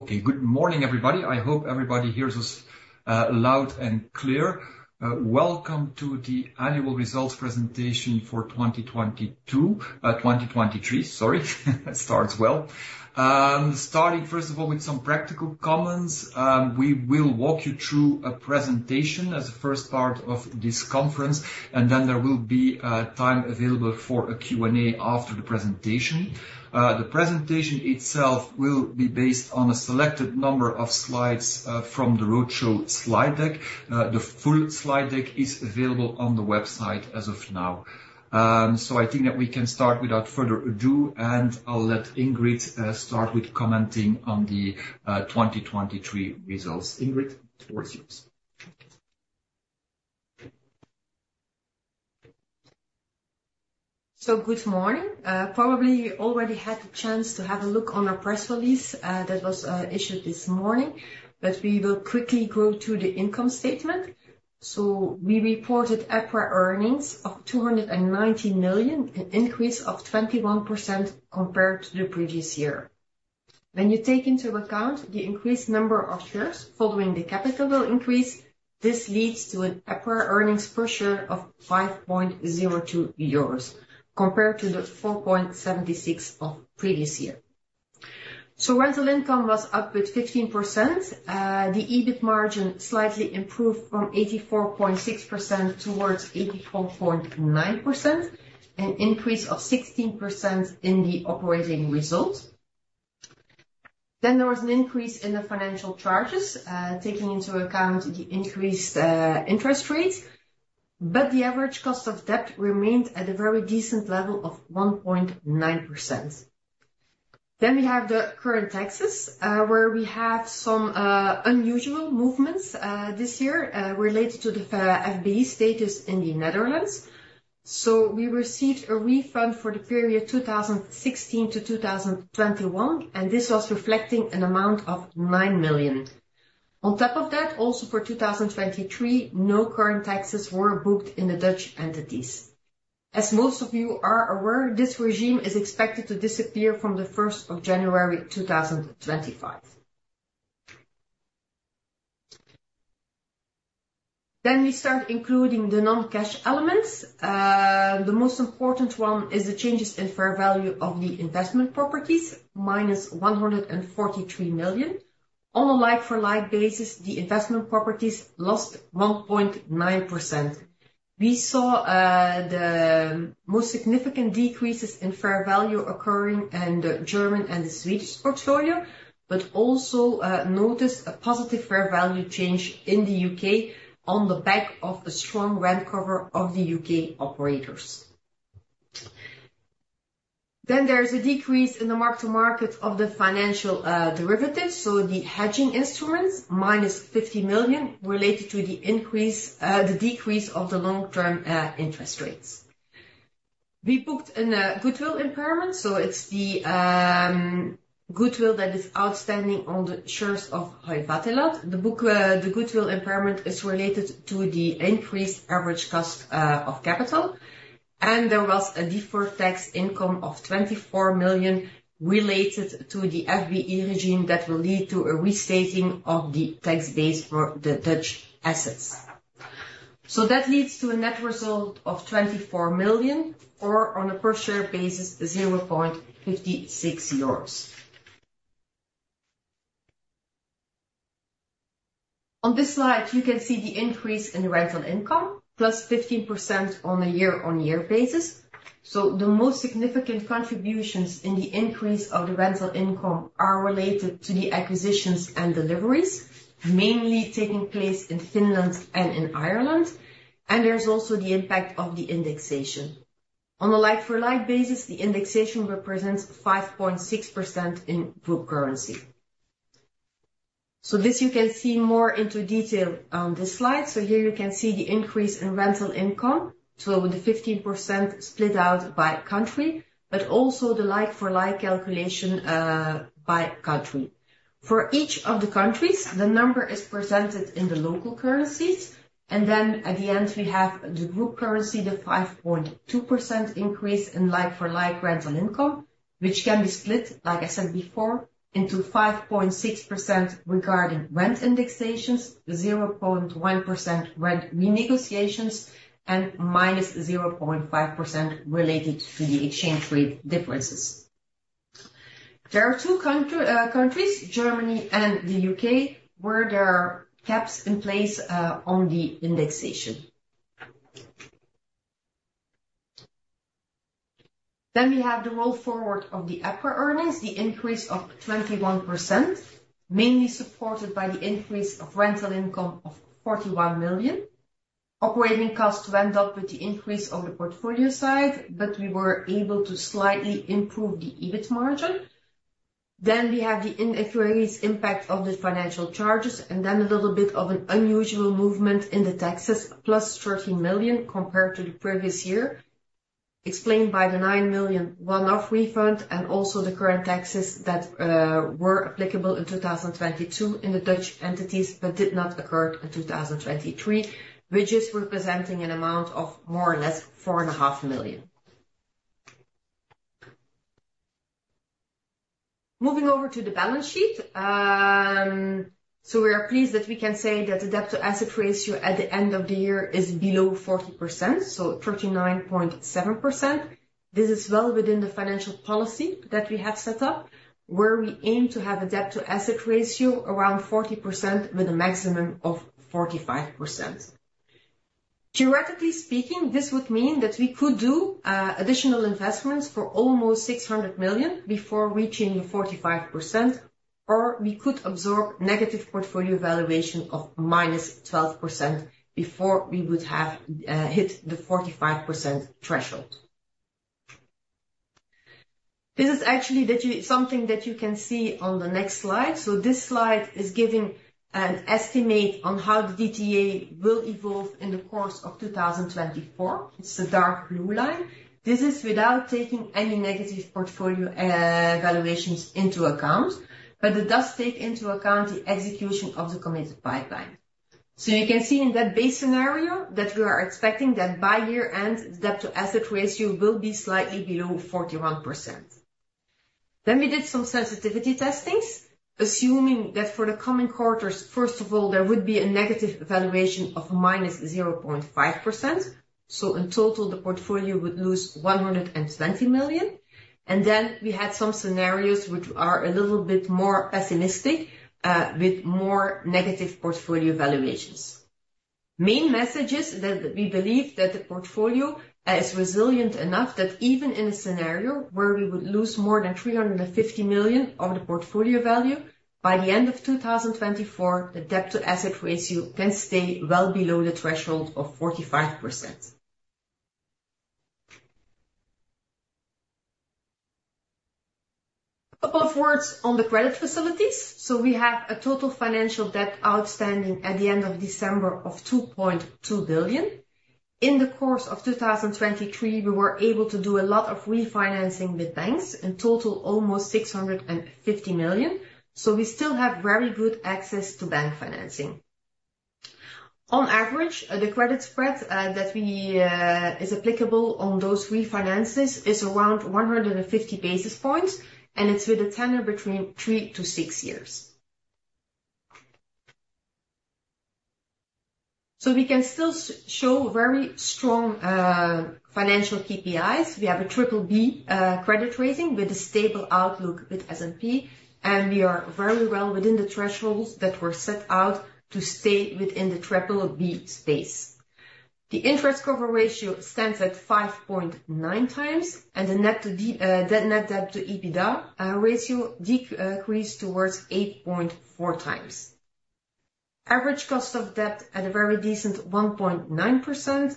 Okay, good morning, everybody. I hope everybody hears us loud and clear. Welcome to the annual results presentation for 2022, 2023, sorry. That starts well. Starting, first of all, with some practical comments. We will walk you through a presentation as a first part of this conference, and then there will be time available for a Q&A after the presentation. The presentation itself will be based on a selected number of slides from the roadshow slide deck. The full slide deck is available on the website as of now. So I think that we can start without further ado, and I'll let Ingrid start with commenting on the 2023 results. Ingrid, the floor is yours. So good morning. Probably you already had the chance to have a look on our press release that was issued this morning, but we will quickly go through the income statement. So we reported EPRA earnings of 290 million, an increase of 21% compared to the previous year. When you take into account the increased number of shares following the capital increase, this leads to an EPRA earnings per share of 5.02 euros compared to the 4.76 of previous year. So rental income was up with 15%. The EBIT margin slightly improved from 84.6% towards 84.9%, an increase of 16% in the operating results. Then there was an increase in the financial charges, taking into account the increased interest rates, but the average cost of debt remained at a very decent level of 1.9%. Then we have the current taxes, where we have some unusual movements this year, related to the FBI status in the Netherlands. So we received a refund for the period 2016 to 2021, and this was reflecting an amount of 9 million. On top of that, also for 2023, no current taxes were booked in the Dutch entities. As most of you are aware, this regime is expected to disappear from January 1, 2025. Then we start including the non-cash elements. The most important one is the changes in fair value of the investment properties, -143 million. On a like-for-like basis, the investment properties lost 1.9%. We saw the most significant decreases in fair value occurring in the German and the Swedish portfolio, but also noticed a positive fair value change in the UK on the back of the strong rent cover of the UK operators. Then there is a decrease in the mark-to-market of the financial derivatives, so the hedging instruments, -50 million, related to the decrease of the long-term interest rates. We booked a goodwill impairment, so it's the goodwill that is outstanding on the shares of Hoivatilat. The book, the goodwill impairment is related to the increased average cost of capital, and there was a deferred tax income of 24 million related to the FBI regime that will lead to a restating of the tax base for the Dutch assets. So that leads to a net result of 24 million, or on a per share basis, 0.56 euros. On this slide, you can see the increase in the rental income, +15% on a year-on-year basis. So the most significant contributions in the increase of the rental income are related to the acquisitions and deliveries, mainly taking place in Finland and in Ireland. And there's also the impact of the indexation. On a like-for-like basis, the indexation represents 5.6% in group currency. So this you can see more into detail on this slide. So here you can see the increase in rental income, so the 15% split out by country, but also the like-for-like calculation by country. For each of the countries, the number is presented in the local currencies, and then at the end, we have the group currency, the 5.2% increase in like-for-like rental income, which can be split, like I said before, into 5.6% regarding rent indexations, 0.1% rent renegotiations, and -0.5% related to the exchange rate differences. There are 2 countries, Germany and the UK, where there are caps in place on the indexation. Then we have the roll forward of the EPRA earnings, the increase of 21%, mainly supported by the increase of rental income of 41 million. Operating costs went up with the increase on the portfolio side, but we were able to slightly improve the EBIT margin. Then we have the in equity impact of the financial charges, and then a little bit of an unusual movement in the taxes, +13 million compared to the previous year, explained by the 9 million one-off refund and also the current taxes that were applicable in 2022 in the Dutch entities, but did not occur in 2023, which is representing an amount of more or less 4.5 million... Moving over to the balance sheet. So we are pleased that we can say that the debt-to-asset ratio at the end of the year is below 40%, so 39.7%. This is well within the financial policy that we have set up, where we aim to have a debt-to-asset ratio around 40%, with a maximum of 45%. Theoretically speaking, this would mean that we could do additional investments for almost 600 million before reaching the 45%, or we could absorb negative portfolio valuation of -12% before we would have hit the 45% threshold. This is actually something that you can see on the next slide. So this slide is giving an estimate on how the DTA will evolve in the course of 2024. It's the dark blue line. This is without taking any negative portfolio valuations into account, but it does take into account the execution of the committed pipeline. You can see in that base scenario, that we are expecting that by year-end, the debt-to-asset ratio will be slightly below 41%. We did some sensitivity testings, assuming that for the coming quarters, first of all, there would be a negative valuation of -0.5%. In total, the portfolio would lose 120 million. We had some scenarios which are a little bit more pessimistic, with more negative portfolio valuations. Main message is that we believe that the portfolio is resilient enough that even in a scenario where we would lose more than 350 million of the portfolio value, by the end of 2024, the debt-to-asset ratio can stay well below the threshold of 45%. A couple of words on the credit facilities. So we have a total financial debt outstanding at the end of December of 2.2 billion. In the course of 2023, we were able to do a lot of refinancing with banks, in total, almost 650 million. So we still have very good access to bank financing. On average, the credit spread that we is applicable on those refinances is around 150 basis points, and it's with a tenure between 3-6 years. So we can still show very strong financial KPIs. We have a BBB credit rating with a stable outlook with S&P, and we are very well within the thresholds that were set out to stay within the triple B space. The interest cover ratio stands at 5.9 times, and the net debt to EBITDA ratio decreased towards 8.4 times. Average cost of debt at a very decent 1.9%,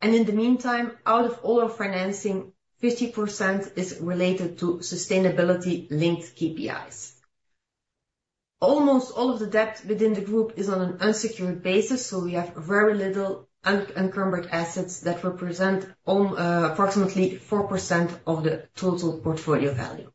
and in the meantime, out of all our financing, 50% is related to sustainability-linked KPIs. Almost all of the debt within the group is on an unsecured basis, so we have very little unencumbered assets that represent on approximately 4% of the total portfolio value.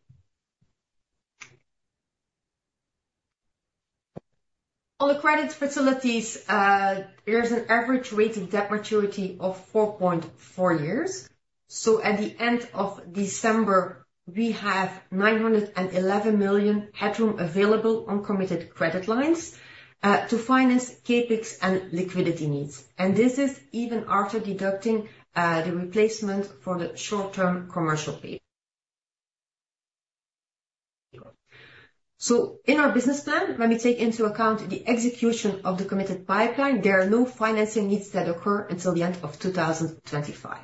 On the credit facilities, there is an average rate of debt maturity of 4.4 years. So at the end of December, we have 911 million headroom available on committed credit lines to finance CapEx and liquidity needs. And this is even after deducting the replacement for the short-term commercial paper. So in our business plan, when we take into account the execution of the committed pipeline, there are no financing needs that occur until the end of 2025.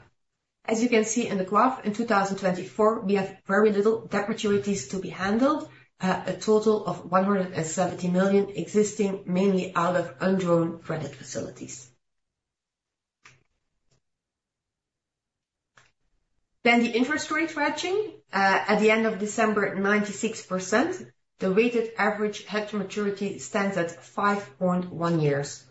As you can see in the graph, in 2024, we have very little debt maturities to be handled, a total of 170 million existing, mainly out of undrawn credit facilities. Then the interest rate hedging. At the end of December, 96%, the weighted average hedge maturity stands at 5.1 years.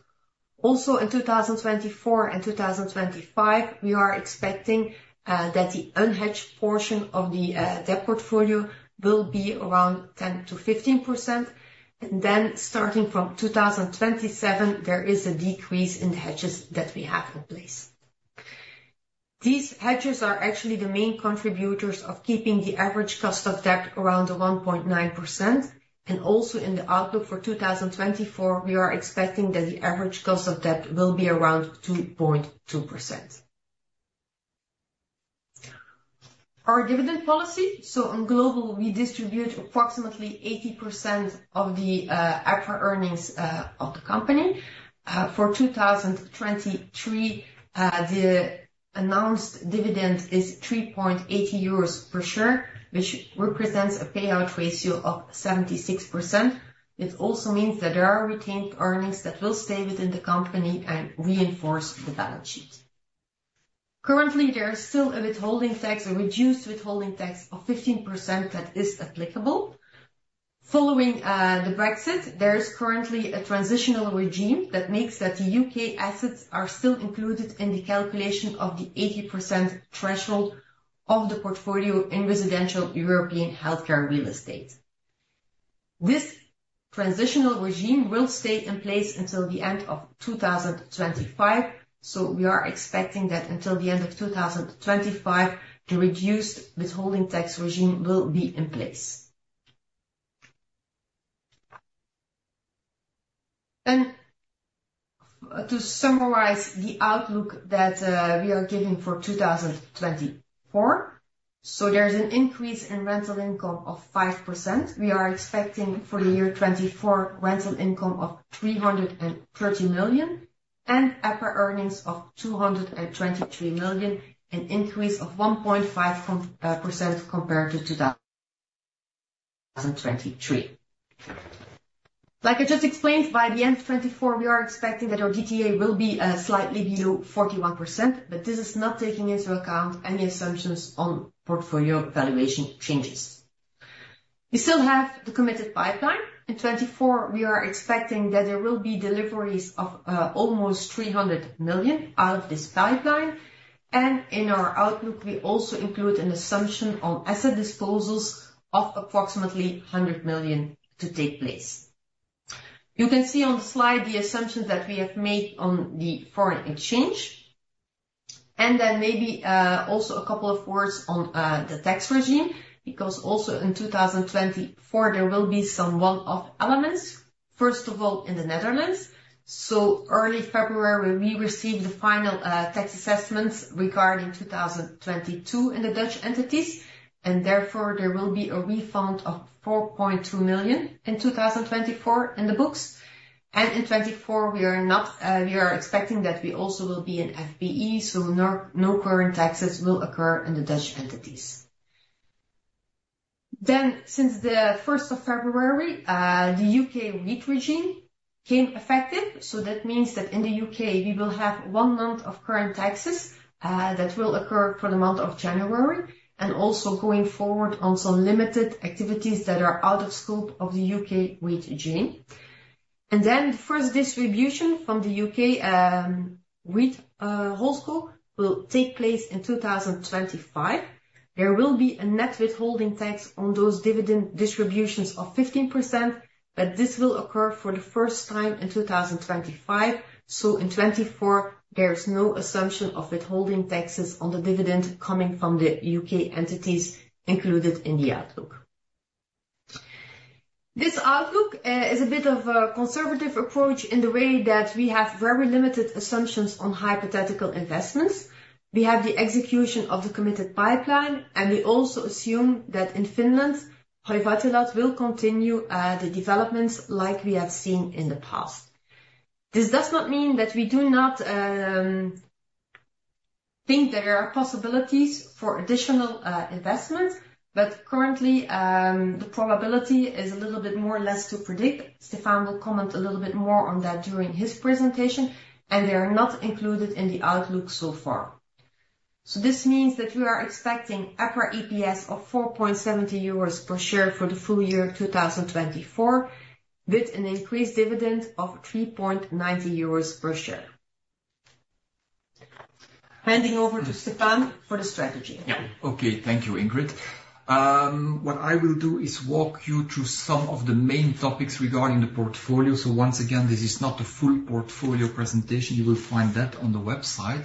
Also, in 2024 and 2025, we are expecting, that the unhedged portion of the, debt portfolio will be around 10%-15%. And then, starting from 2027, there is a decrease in the hedges that we have in place. These hedges are actually the main contributors of keeping the average cost of debt around 1.9%, and also in the outlook for 2024, we are expecting that the average cost of debt will be around 2.2%. Our dividend policy. So in general, we distribute approximately 80% of the EPRA earnings of the company. For 2023, the announced dividend is 3.80 euros per share, which represents a payout ratio of 76%. It also means that there are retained earnings that will stay within the company and reinforce the balance sheet. Currently, there is still a withholding tax, a reduced withholding tax of 15% that is applicable. Following the Brexit, there is currently a transitional regime that makes that the UK assets are still included in the calculation of the 80% threshold of the portfolio in residential European healthcare real estate. This transitional regime will stay in place until the end of 2025. So we are expecting that until the end of 2025, the reduced withholding tax regime will be in place. Then, to summarize the outlook that we are giving for 2024. So there's an increase in rental income of 5%. We are expecting for the year 2024, rental income of 330 million, and EPRA earnings of 223 million, an increase of 1.5% compared to 2023. Like I just explained, by the end of 2024, we are expecting that our DTA will be slightly below 41%, but this is not taking into account any assumptions on portfolio valuation changes. We still have the committed pipeline. In 2024, we are expecting that there will be deliveries of almost 300 million out of this pipeline. And in our outlook, we also include an assumption on asset disposals of approximately 100 million to take place. You can see on the slide the assumptions that we have made on the foreign exchange. And then maybe also a couple of words on the tax regime, because also in 2024, there will be some one-off elements, first of all, in the Netherlands. So early February, we received the final tax assessments regarding 2022 in the Dutch entities, and therefore there will be a refund of 4.2 million in 2024 in the books. And in 2024, we are expecting that we also will be in FBI, so no current taxes will occur in the Dutch entities. Then, since the first of February, the UK REIT regime came effective. So that means that in the UK, we will have one month of current taxes that will occur for the month of January, and also going forward on some limited activities that are out of scope of the UK REIT regime. And then the first distribution from the UK REIT HoldCo will take place in 2025. There will be a net withholding tax on those dividend distributions of 15%, but this will occur for the first time in 2025. So in 2024, there is no assumption of withholding taxes on the dividend coming from the U.K. entities included in the outlook. This outlook is a bit of a conservative approach in the way that we have very limited assumptions on hypothetical investments. We have the execution of the committed pipeline, and we also assume that in Finland, Hoivatilat will continue the developments like we have seen in the past. This does not mean that we do not think there are possibilities for additional investment, but currently the probability is a little bit more or less to predict. Stefaan will comment a little bit more on that during his presentation, and they are not included in the outlook so far. So this means that we are expecting EPRA EPS of 4.70 euros per share for the full year 2024, with an increased dividend of 3.90 euros per share. Handing over to Stefaan for the strategy. Yeah. Okay. Thank you, Ingrid. What I will do is walk you through some of the main topics regarding the portfolio. Once again, this is not a full portfolio presentation. You will find that on the website.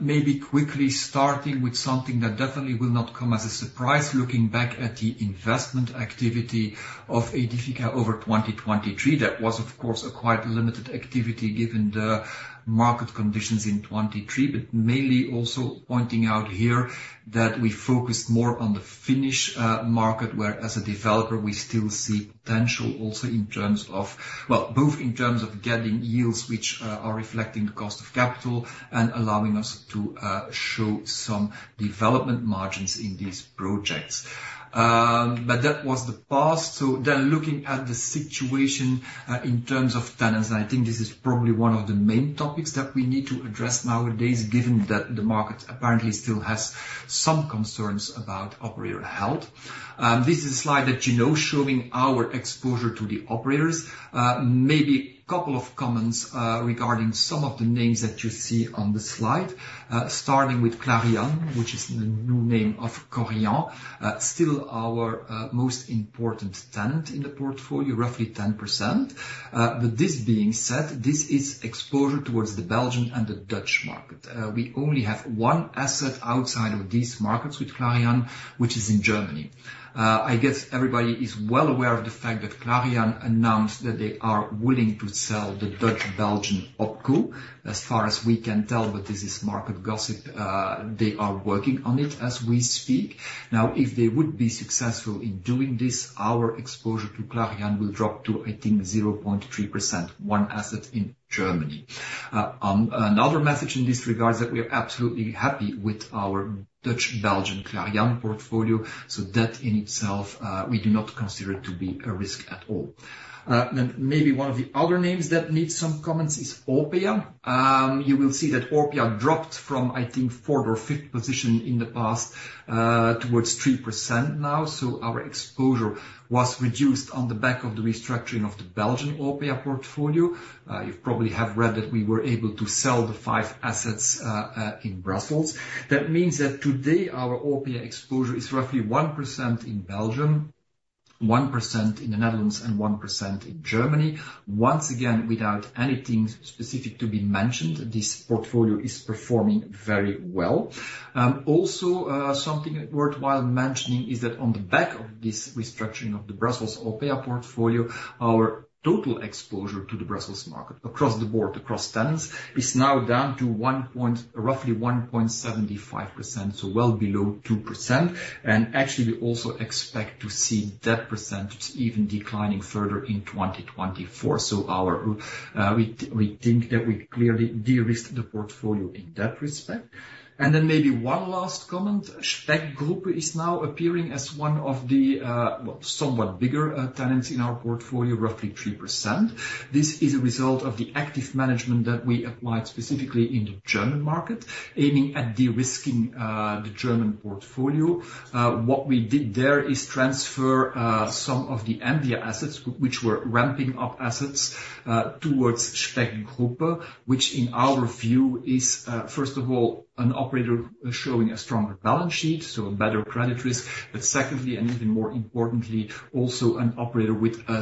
Maybe quickly starting with something that definitely will not come as a surprise, looking back at the investment activity of Aedifica over 2023. That was, of course, a quite limited activity given the market conditions in 2023, but mainly also pointing out here that we focused more on the Finnish market, where as a developer, we still see potential also in terms of... Well, both in terms of getting yields which are reflecting the cost of capital and allowing us to show some development margins in these projects. But that was the past. Looking at the situation in terms of tenants, I think this is probably one of the main topics that we need to address nowadays, given that the market apparently still has some concerns about operator health. This is a slide that you know, showing our exposure to the operators. Maybe a couple of comments regarding some of the names that you see on the slide. Starting with Clariane, which is the new name of Korian, still our most important tenant in the portfolio, roughly 10%. With this being said, this is exposure toward the Belgian and the Dutch market. We only have one asset outside of these markets with Clariane, which is in Germany. I guess everybody is well aware of the fact that Clariane announced that they are willing to sell the Dutch Belgian OpCo, as far as we can tell, but this is market gossip. They are working on it as we speak. Now, if they would be successful in doing this, our exposure to Clariane will drop to, I think, 0.3%, one asset in Germany. Another message in this regard is that we are absolutely happy with our Dutch Belgian Clariane portfolio, so that in itself, we do not consider it to be a risk at all. Then maybe one of the other names that needs some comments is Orpea. You will see that Orpea dropped from, I think, fourth or fifth position in the past, towards 3% now. So our exposure was reduced on the back of the restructuring of the Belgian Orpea portfolio. You probably have read that we were able to sell the five assets in Brussels. That means that today, our Orpea exposure is roughly 1% in Belgium, 1% in the Netherlands and 1% in Germany. Once again, without anything specific to be mentioned, this portfolio is performing very well. Also, something worthwhile mentioning is that on the back of this restructuring of the Brussels Orpea portfolio, our total exposure to the Brussels market across the board, across tenants, is now down to one point—roughly 1.75%, so well below 2%. And actually, we also expect to see that percentage even declining further in 2024. So we think that we clearly de-risked the portfolio in that respect. Then maybe one last comment: Specht Gruppe is now appearing as one of the, well, somewhat bigger tenants in our portfolio, roughly 3%. This is a result of the active management that we applied specifically in the German market, aiming at de-risking the German portfolio. What we did there is transfer some of the Ambia assets, which were ramping up assets towards Specht Gruppe, which in our view is first of all an operator showing a stronger balance sheet, so a better credit risk. But secondly, and even more importantly, also an operator with a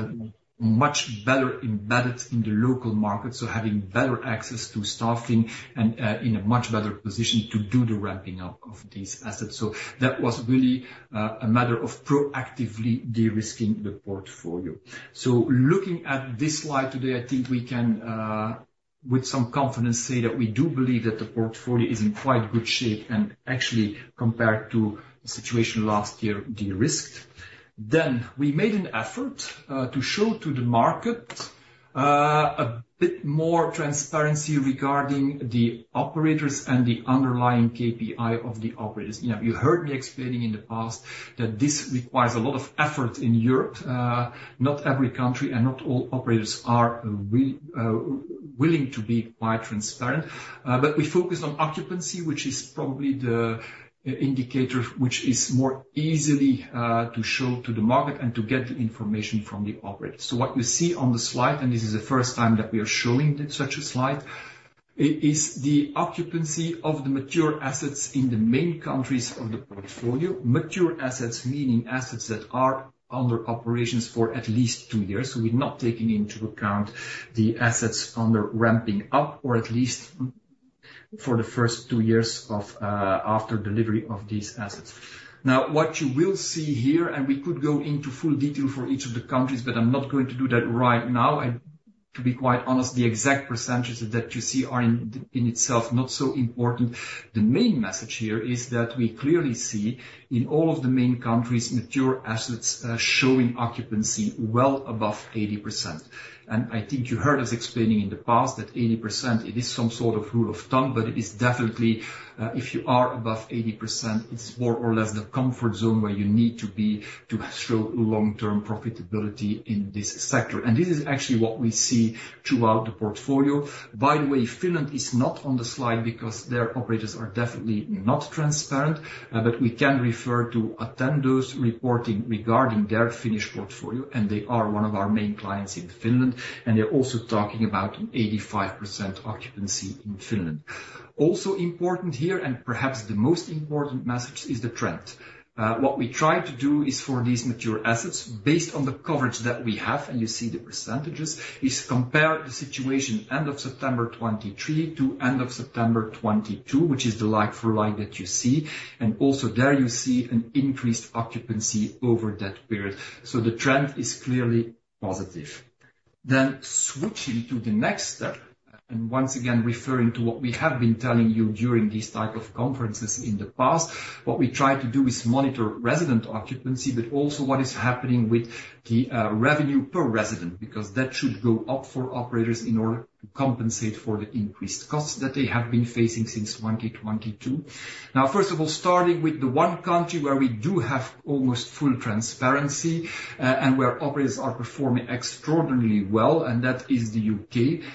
much better embedded in the local market, so having better access to staffing and in a much better position to do the ramping up of these assets. So that was really a matter of proactively de-risking the portfolio. So looking at this slide today, I think we can with some confidence say that we do believe that the portfolio is in quite good shape and actually, compared to the situation last year, de-risked. Then we made an effort to show to the market a bit more transparency regarding the operators and the underlying KPI of the operators. You know, you heard me explaining in the past that this requires a lot of effort in Europe. Not every country and not all operators are willing to be quite transparent, but we focus on occupancy, which is probably the indicator which is more easily to show to the market and to get the information from the operator. So what you see on the slide, and this is the first time that we are showing such a slide, is the occupancy of the mature assets in the main countries of the portfolio. Mature assets, meaning assets that are under operations for at least two years. So we're not taking into account the assets under ramping up or at least for the first two years of, after delivery of these assets. Now, what you will see here, and we could go into full detail for each of the countries, but I'm not going to do that right now. And to be quite honest, the exact percentages that you see are in itself, not so important. The main message here is that we clearly see in all of the main countries, mature assets, showing occupancy well above 80%. And I think you heard us explaining in the past that 80%, it is some sort of rule of thumb, but it is definitely, if you are above 80%, it's more or less the comfort zone where you need to be to show long-term profitability in this sector. And this is actually what we see throughout the portfolio. By the way, Finland is not on the slide because their operators are definitely not transparent, but we can refer to Attendo's reporting regarding their Finnish portfolio, and they are one of our main clients in Finland, and they're also talking about an 85% occupancy in Finland. Also important here, and perhaps the most important message, is the trend. What we try to do is for these mature assets, based on the coverage that we have, and you see the percentages, is compare the situation end of September 2023 to end of September 2022, which is the like for like that you see. Also there you see an increased occupancy over that period. So the trend is clearly positive. Then switching to the next step, and once again, referring to what we have been telling you during these type of conferences in the past, what we try to do is monitor resident occupancy, but also what is happening with the revenue per resident, because that should go up for operators in order to compensate for the increased costs that they have been facing since 2022. Now, first of all, starting with the one country where we do have almost full transparency, and where operators are performing extraordinarily well, and that is the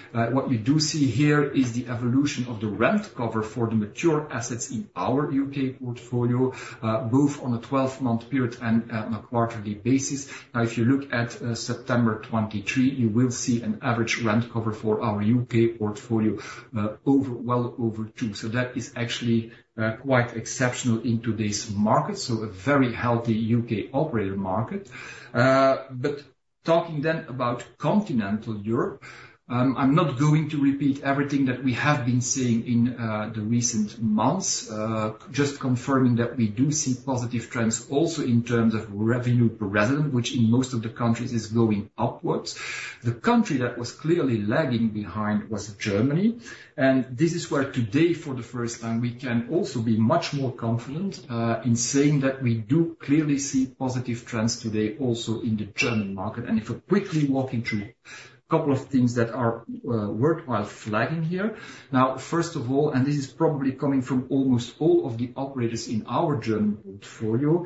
UK. What we do see here is the evolution of the rent cover for the mature assets in our UK portfolio, both on a twelve-month period and on a quarterly basis. Now, if you look at September 2023, you will see an average rent cover for our UK portfolio, well over two. So that is actually quite exceptional in today's market, so a very healthy UK operator market. But talking then about continental Europe, I'm not going to repeat everything that we have been seeing in the recent months. Just confirming that we do see positive trends also in terms of revenue per resident, which in most of the countries is going upwards. The country that was clearly lagging behind was Germany, and this is where today, for the first time, we can also be much more confident in saying that we do clearly see positive trends today also in the German market. And if I quickly walk you through a couple of things that are worthwhile flagging here. Now, first of all, and this is probably coming from almost all of the operators in our German portfolio,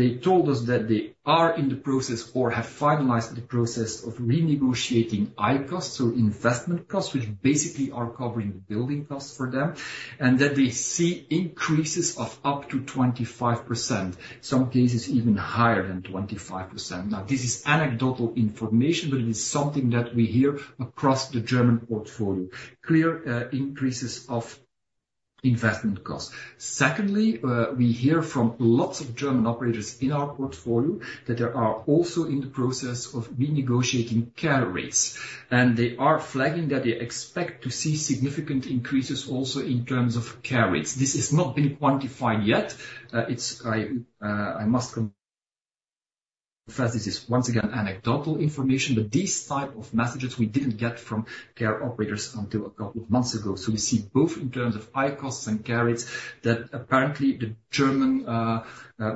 they told us that they are in the process or have finalized the process of renegotiating I-costs, so investment costs, which basically are covering the building costs for them, and that they see increases of up to 25%, some cases even higher than 25%. Now, this is anecdotal information, but it is something that we hear across the German portfolio. Clear increases of investment costs. Secondly, we hear from lots of German operators in our portfolio that they are also in the process of renegotiating care rates, and they are flagging that they expect to see significant increases also in terms of care rates. This has not been quantified yet, it's—I must confess, this is once again, anecdotal information, but these type of messages we didn't get from care operators until a couple of months ago. So we see both in terms of high costs and care rates, that apparently the German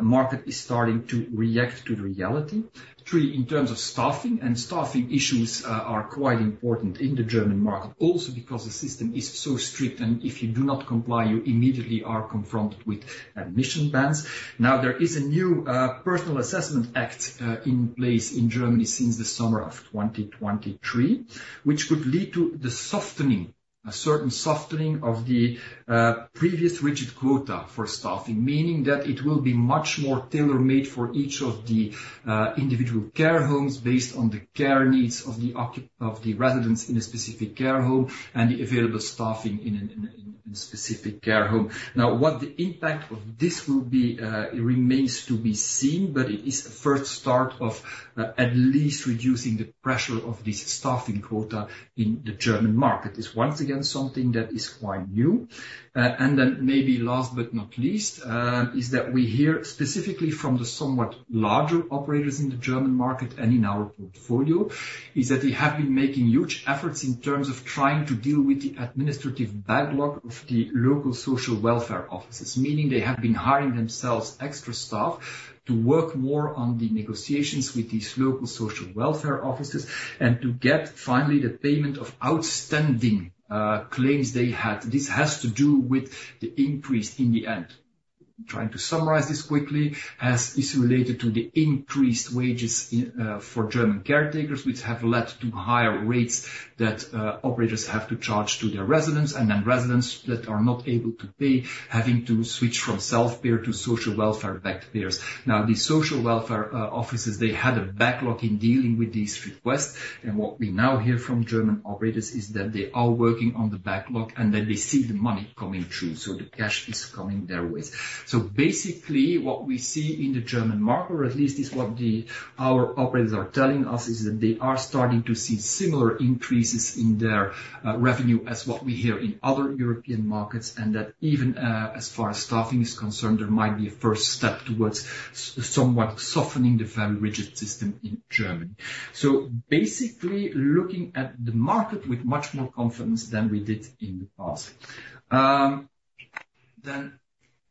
market is starting to react to the reality. Three, in terms of staffing, and staffing issues, are quite important in the German market, also because the system is so strict, and if you do not comply, you immediately are confronted with admission bans. Now, there is a new Personnel Assessment Act in place in Germany since the summer of 2023, which could lead to the softening, a certain softening of the previous rigid quota for staffing. Meaning that it will be much more tailor-made for each of the individual care homes based on the care needs of the residents in a specific care home, and the available staffing in a specific care home. Now, what the impact of this will be, remains to be seen, but it is a first start of, at least reducing the pressure of this staffing quota in the German market. It's once again, something that is quite new. And then maybe last but not least, is that we hear specifically from the somewhat larger operators in the German market and in our portfolio, is that they have been making huge efforts in terms of trying to deal with the administrative backlog of the local social welfare offices. Meaning they have been hiring themselves extra staff, to work more on the negotiations with these local social welfare offices, and to get finally, the payment of outstanding, claims they had. This has to do with the increase in the end. Trying to summarize this quickly, as is related to the increased wages for German caretakers, which have led to higher rates that operators have to charge to their residents, and then residents that are not able to pay, having to switch from self-payer to social welfare payers. Now, the social welfare offices, they had a backlog in dealing with these requests, and what we now hear from German operators is that they are working on the backlog and that they see the money coming through, so the cash is coming their ways. So basically, what we see in the German market, or at least what our operators are telling us, is that they are starting to see similar increases in their revenue as what we hear in other European markets, and that even as far as staffing is concerned, there might be a first step towards somewhat softening the very rigid system in Germany. So basically, looking at the market with much more confidence than we did in the past. Then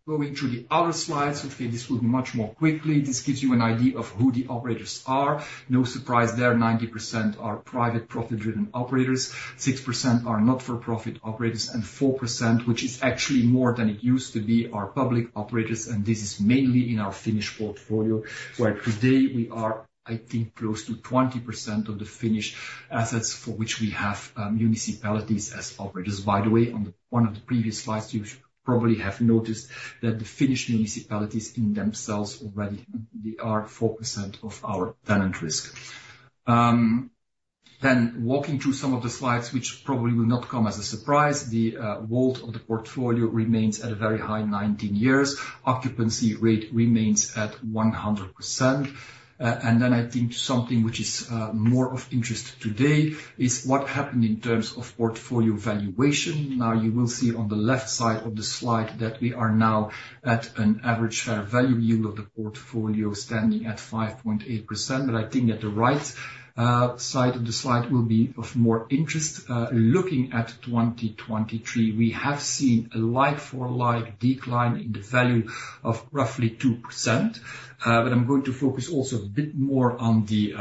going through the other slides, hopefully this will be much more quickly. This gives you an idea of who the operators are. No surprise there, 90% are private profit-driven operators, 6% are not-for-profit operators, and 4%, which is actually more than it used to be, are public operators, and this is mainly in our Finnish portfolio, where today we are, I think, close to 20% of the Finnish assets for which we have municipalities as operators. By the way, on one of the previous slides, you probably have noticed that the Finnish municipalities in themselves already they are 4% of our tenant risk. Then walking through some of the slides, which probably will not come as a surprise, the WAULT of the portfolio remains at a very high 19 years. Occupancy rate remains at 100%. And then I think something which is more of interest today is what happened in terms of portfolio valuation. Now, you will see on the left side of the slide that we are now at an average value yield of the portfolio standing at 5.8%. But I think that the right side of the slide will be of more interest. Looking at 2023, we have seen a like-for-like decline in the value of roughly 2%. But I'm going to focus also a bit more on the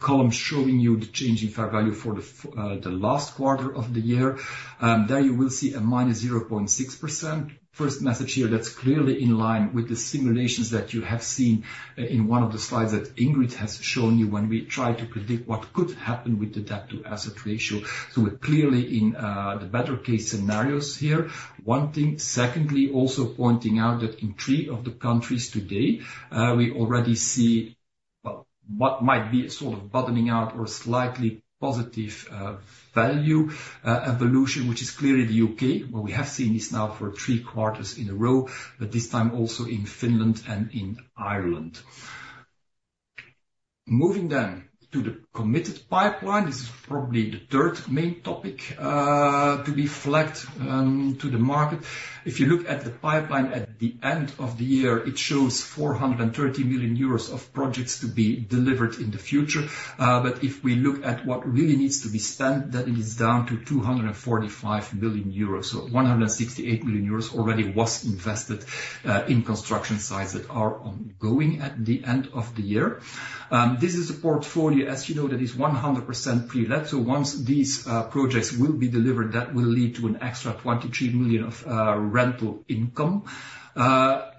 column showing you the change in fair value for the last quarter of the year. There you will see a -0.6%. First message here, that's clearly in line with the simulations that you have seen in one of the slides that Ingrid has shown you when we tried to predict what could happen with the debt-to-asset ratio. So we're clearly in the better case scenarios here. One thing—secondly, also pointing out that in three of the countries today, we already see, well, what might be a sort of bottoming out or slightly positive, value, evolution, which is clearly the UK, where we have seen this now for three quarters in a row, but this time also in Finland and in Ireland. Moving then to the committed pipeline, this is probably the third main topic, to be flagged, to the market. If you look at the pipeline at the end of the year, it shows 430 million euros of projects to be delivered in the future. But if we look at what really needs to be spent, then it is down to 245 million euros. 168 million euros already was invested in construction sites that are ongoing at the end of the year. This is a portfolio, as you know, that is 100% pre-let. Once these projects will be delivered, that will lead to an extra 23 million of rental income.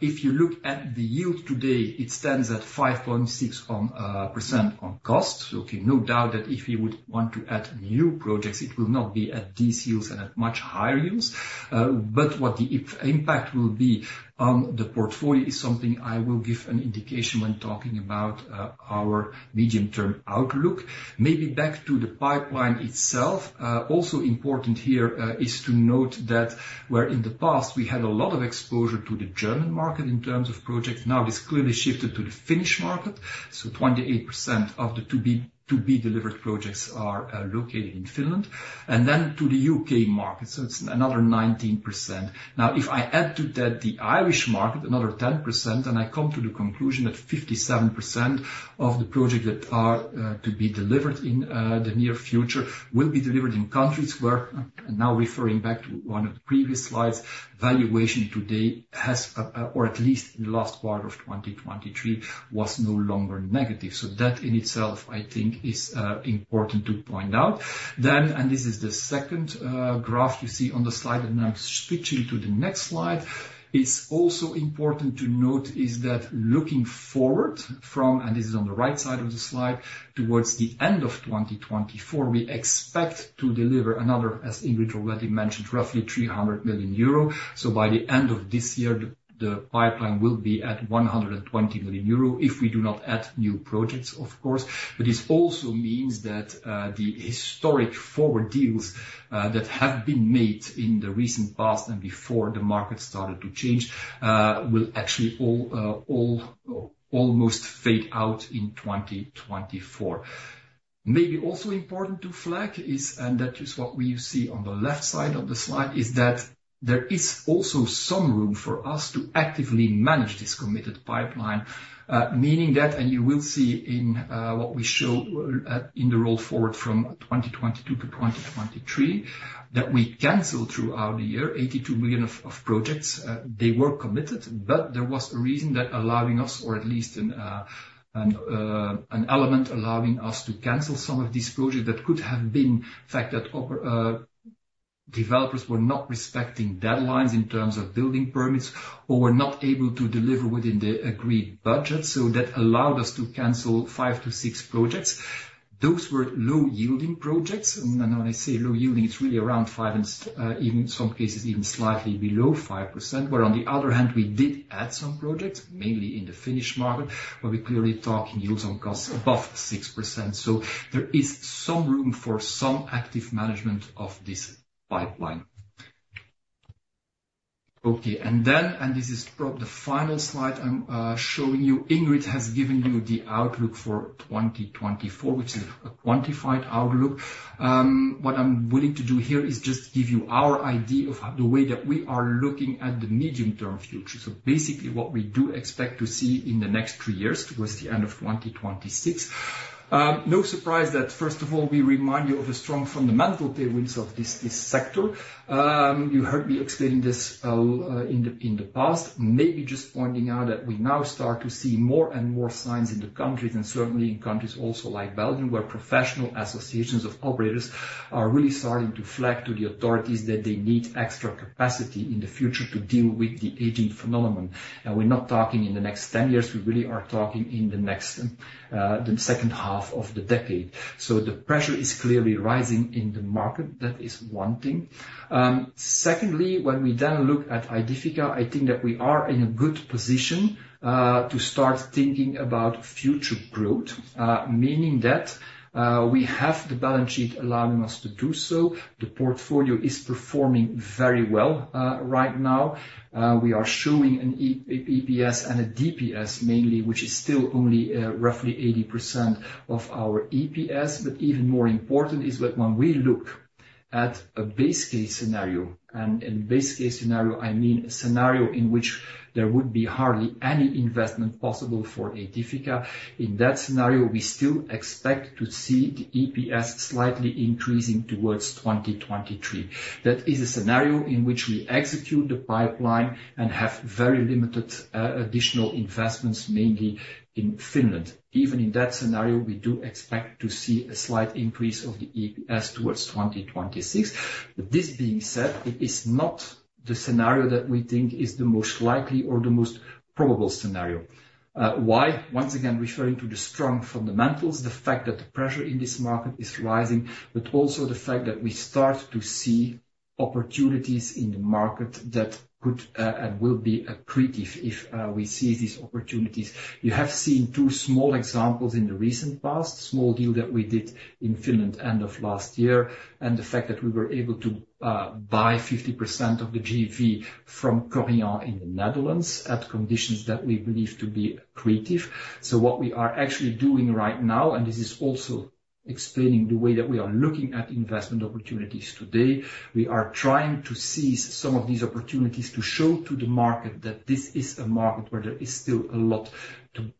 If you look at the yield today, it stands at 5.6% on cost. No doubt that if you would want to add new projects, it will not be at these yields and at much higher yields. But what the impact will be on the portfolio is something I will give an indication when talking about our medium-term outlook. Maybe back to the pipeline itself. Also important here is to note that where in the past we had a lot of exposure to the German market in terms of projects, now it's clearly shifted to the Finnish market. So 28% of the to-be delivered projects are located in Finland, and then to the UK market, so it's another 19%. Now, if I add to that, the Irish market, another 10%, and I come to the conclusion that 57% of the projects that are to be delivered in the near future will be delivered in countries where, and now referring back to one of the previous slides, valuation today has—or at least in the last quarter of 2023, was no longer negative. So that in itself, I think, is important to point out. Then, and this is the second graph you see on the slide, and I'm switching to the next slide. It's also important to note, is that looking forward from, and this is on the right side of the slide, towards the end of 2024, we expect to deliver another, as Ingrid already mentioned, roughly 300 million euro. So by the end of this year, the pipeline will be at 120 million euro if we do not add new projects, of course. But this also means that the historic forward deals that have been made in the recent past and before the market started to change will actually all almost fade out in 2024. Maybe also important to flag is, and that is what we see on the left side of the slide, is that there is also some room for us to actively manage this committed pipeline. Meaning that, and you will see in what we show in the roll forward from 2022 to 2023, that we canceled throughout the year, 82 million of projects. They were committed, but there was a reason that allowing us, or at least an element allowing us to cancel some of these projects that could have been the fact that developers were not respecting deadlines in terms of building permits or were not able to deliver within the agreed budget. So that allowed us to cancel 5-6 projects. Those were low-yielding projects. When I say low-yielding, it's really around 5, and in some cases, even slightly below 5%. Where on the other hand, we did add some projects, mainly in the Finnish market, where we're clearly talking yields on costs above 6%. So there is some room for some active management of this pipeline. Okay, and then, and this is the final slide I'm showing you. Ingrid has given you the outlook for 2024, which is a quantified outlook. What I'm willing to do here is just give you our idea of the way that we are looking at the medium-term future. So basically, what we do expect to see in the next three years, towards the end of 2026. No surprise that, first of all, we remind you of a strong fundamental themes of this, this sector. You heard me explaining this in the past. Maybe just pointing out that we now start to see more and more signs in the countries, and certainly in countries also like Belgium, where professional associations of operators are really starting to flag to the authorities that they need extra capacity in the future to deal with the aging phenomenon. We're not talking in the next 10 years; we really are talking in the next, the H2 of the decade. So the pressure is clearly rising in the market. That is one thing. Secondly, when we then look at Aedifica, I think that we are in a good position to start thinking about future growth, meaning that we have the balance sheet allowing us to do so. The portfolio is performing very well right now. We are showing an EPRA EPS and a DPS mainly, which is still only roughly 80% of our EPS. But even more important is that when we look at a base case scenario, and in base case scenario, I mean a scenario in which there would be hardly any investment possible for Aedifica. In that scenario, we still expect to see the EPS slightly increasing towards 2023. That is a scenario in which we execute the pipeline and have very limited additional investments, mainly in Finland. Even in that scenario, we do expect to see a slight increase of the EPS towards 2026. This being said, it is not the scenario that we think is the most likely or the most probable scenario. Why? Once again, referring to the strong fundamentals, the fact that the pressure in this market is rising, but also the fact that we start to see opportunities in the market that could and will be accretive if we see these opportunities. You have seen two small examples in the recent past. Small deal that we did in Finland end of last year, and the fact that we were able to buy 50% of the JV from Korian in the Netherlands at conditions that we believe to be accretive. So what we are actually doing right now, and this is also explaining the way that we are looking at investment opportunities today. We are trying to seize some of these opportunities to show to the market that this is a market where there is still a lot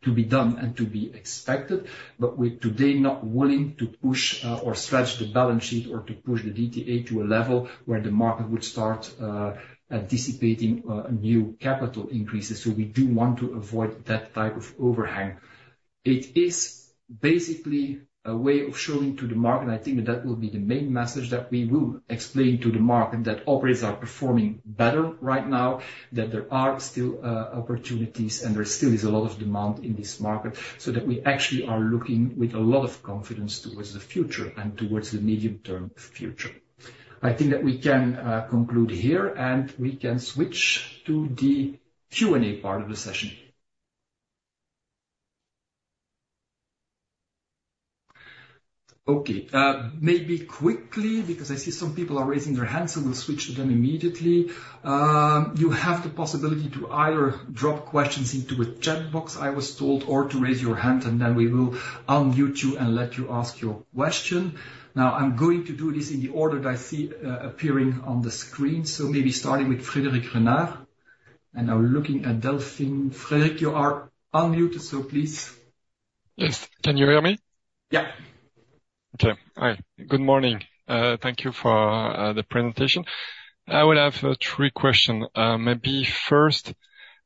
to be done and to be expected. But we're today not willing to push or stretch the balance sheet or to push the DTA to a level where the market would start anticipating new capital increases. So we do want to avoid that type of overhang. It is basically a way of showing to the market, and I think that will be the main message that we will explain to the market, that operators are performing better right now, that there are still opportunities, and there still is a lot of demand in this market, so that we actually are looking with a lot of confidence towards the future and towards the medium-term future. I think that we can conclude here, and we can switch to the Q&A part of the session. Okay, maybe quickly, because I see some people are raising their hands, so we'll switch to them immediately. You have the possibility to either drop questions into a chat box, I was told, or to raise your hand, and then we will unmute you and let you ask your question. Now, I'm going to do this in the order that I see appearing on the screen, so maybe starting with Frederic Renard. And now looking at Delphine. Frederic, you are unmuted, so please. Yes. Can you hear me? Yeah. Okay. All right. Good morning. Thank you for the presentation. I would have three questions. Maybe first,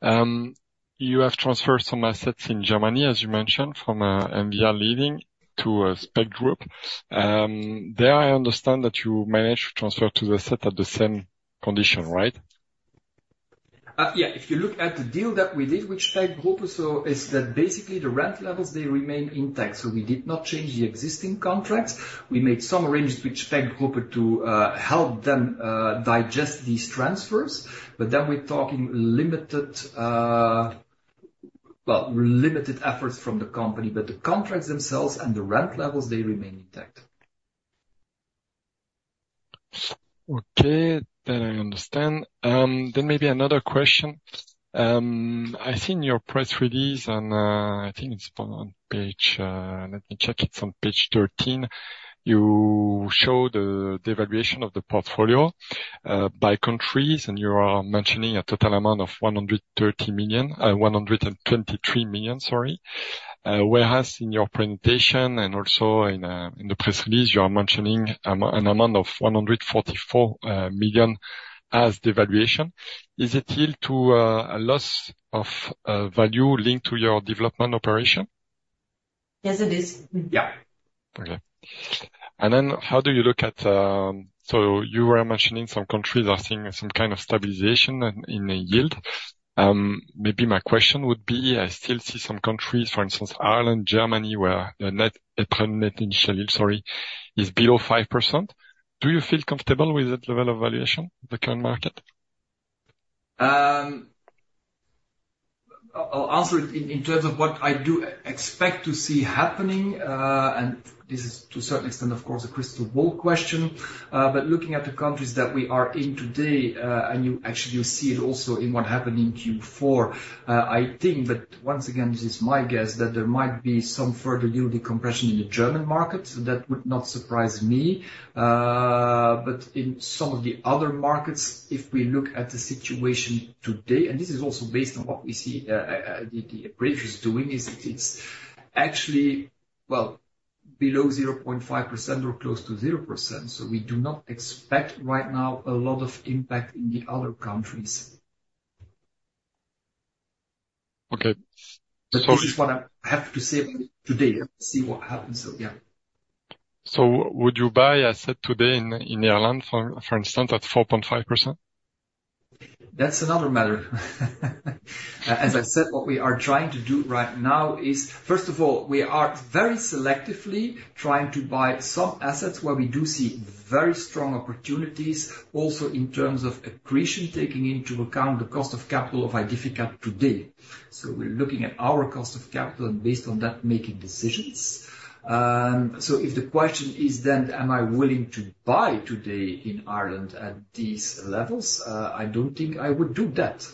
you have transferred some assets in Germany, as you mentioned, from Ambia to Specht Gruppe. There, I understand that you managed to transfer the assets at the same conditions, right? Yeah, if you look at the deal that we did with Specht Gruppe, so is that basically the rent levels, they remain intact. So we did not change the existing contracts. We made some arrangements with Specht Gruppe to help them digest these transfers, but then we're talking limited, well, limited efforts from the company, but the contracts themselves and the rent levels, they remain intact. Okay, that I understand. Then maybe another question. I think in your press release, and I think it's on page, let me check. It's on page 13. You show the valuation of the portfolio by countries, and you are mentioning a total amount of 130 million, 123 million, sorry. Whereas in your presentation and also in the press release, you are mentioning an amount of 144 million as the valuation. Is it still to a loss of value linked to your development operation? Yes, it is. Yeah. Okay. And then how do you look at... So you were mentioning some countries are seeing some kind of stabilization in the yield. Maybe my question would be, I still see some countries, for instance, Ireland, Germany, where the net, EPRA net initial, sorry, is below 5%. Do you feel comfortable with that level of valuation, the current market? I'll answer it in terms of what I do expect to see happening, and this is to a certain extent, of course, a crystal ball question. But looking at the countries that we are in today, and you actually see it also in what happened in Q4, I think that once again, this is my guess, that there might be some further yield decompression in the German market. So that would not surprise me. But in some of the other markets, if we look at the situation today, and this is also based on what we see, the appraiser is doing is actually, well, below 0.5% or close to 0%. So we do not expect right now a lot of impact in the other countries. Okay. This is what I have to say today. Let's see what happens, so yeah. So would you buy an asset today in Ireland, for instance, at 4.5%? That's another matter. As I said, what we are trying to do right now is, first of all, we are very selectively trying to buy some assets where we do see very strong opportunities, also in terms of accretion, taking into account the cost of capital of Aedifica today. So we're looking at our cost of capital and based on that, making decisions. So if the question is then, am I willing to buy today in Ireland at these levels? I don't think I would do that.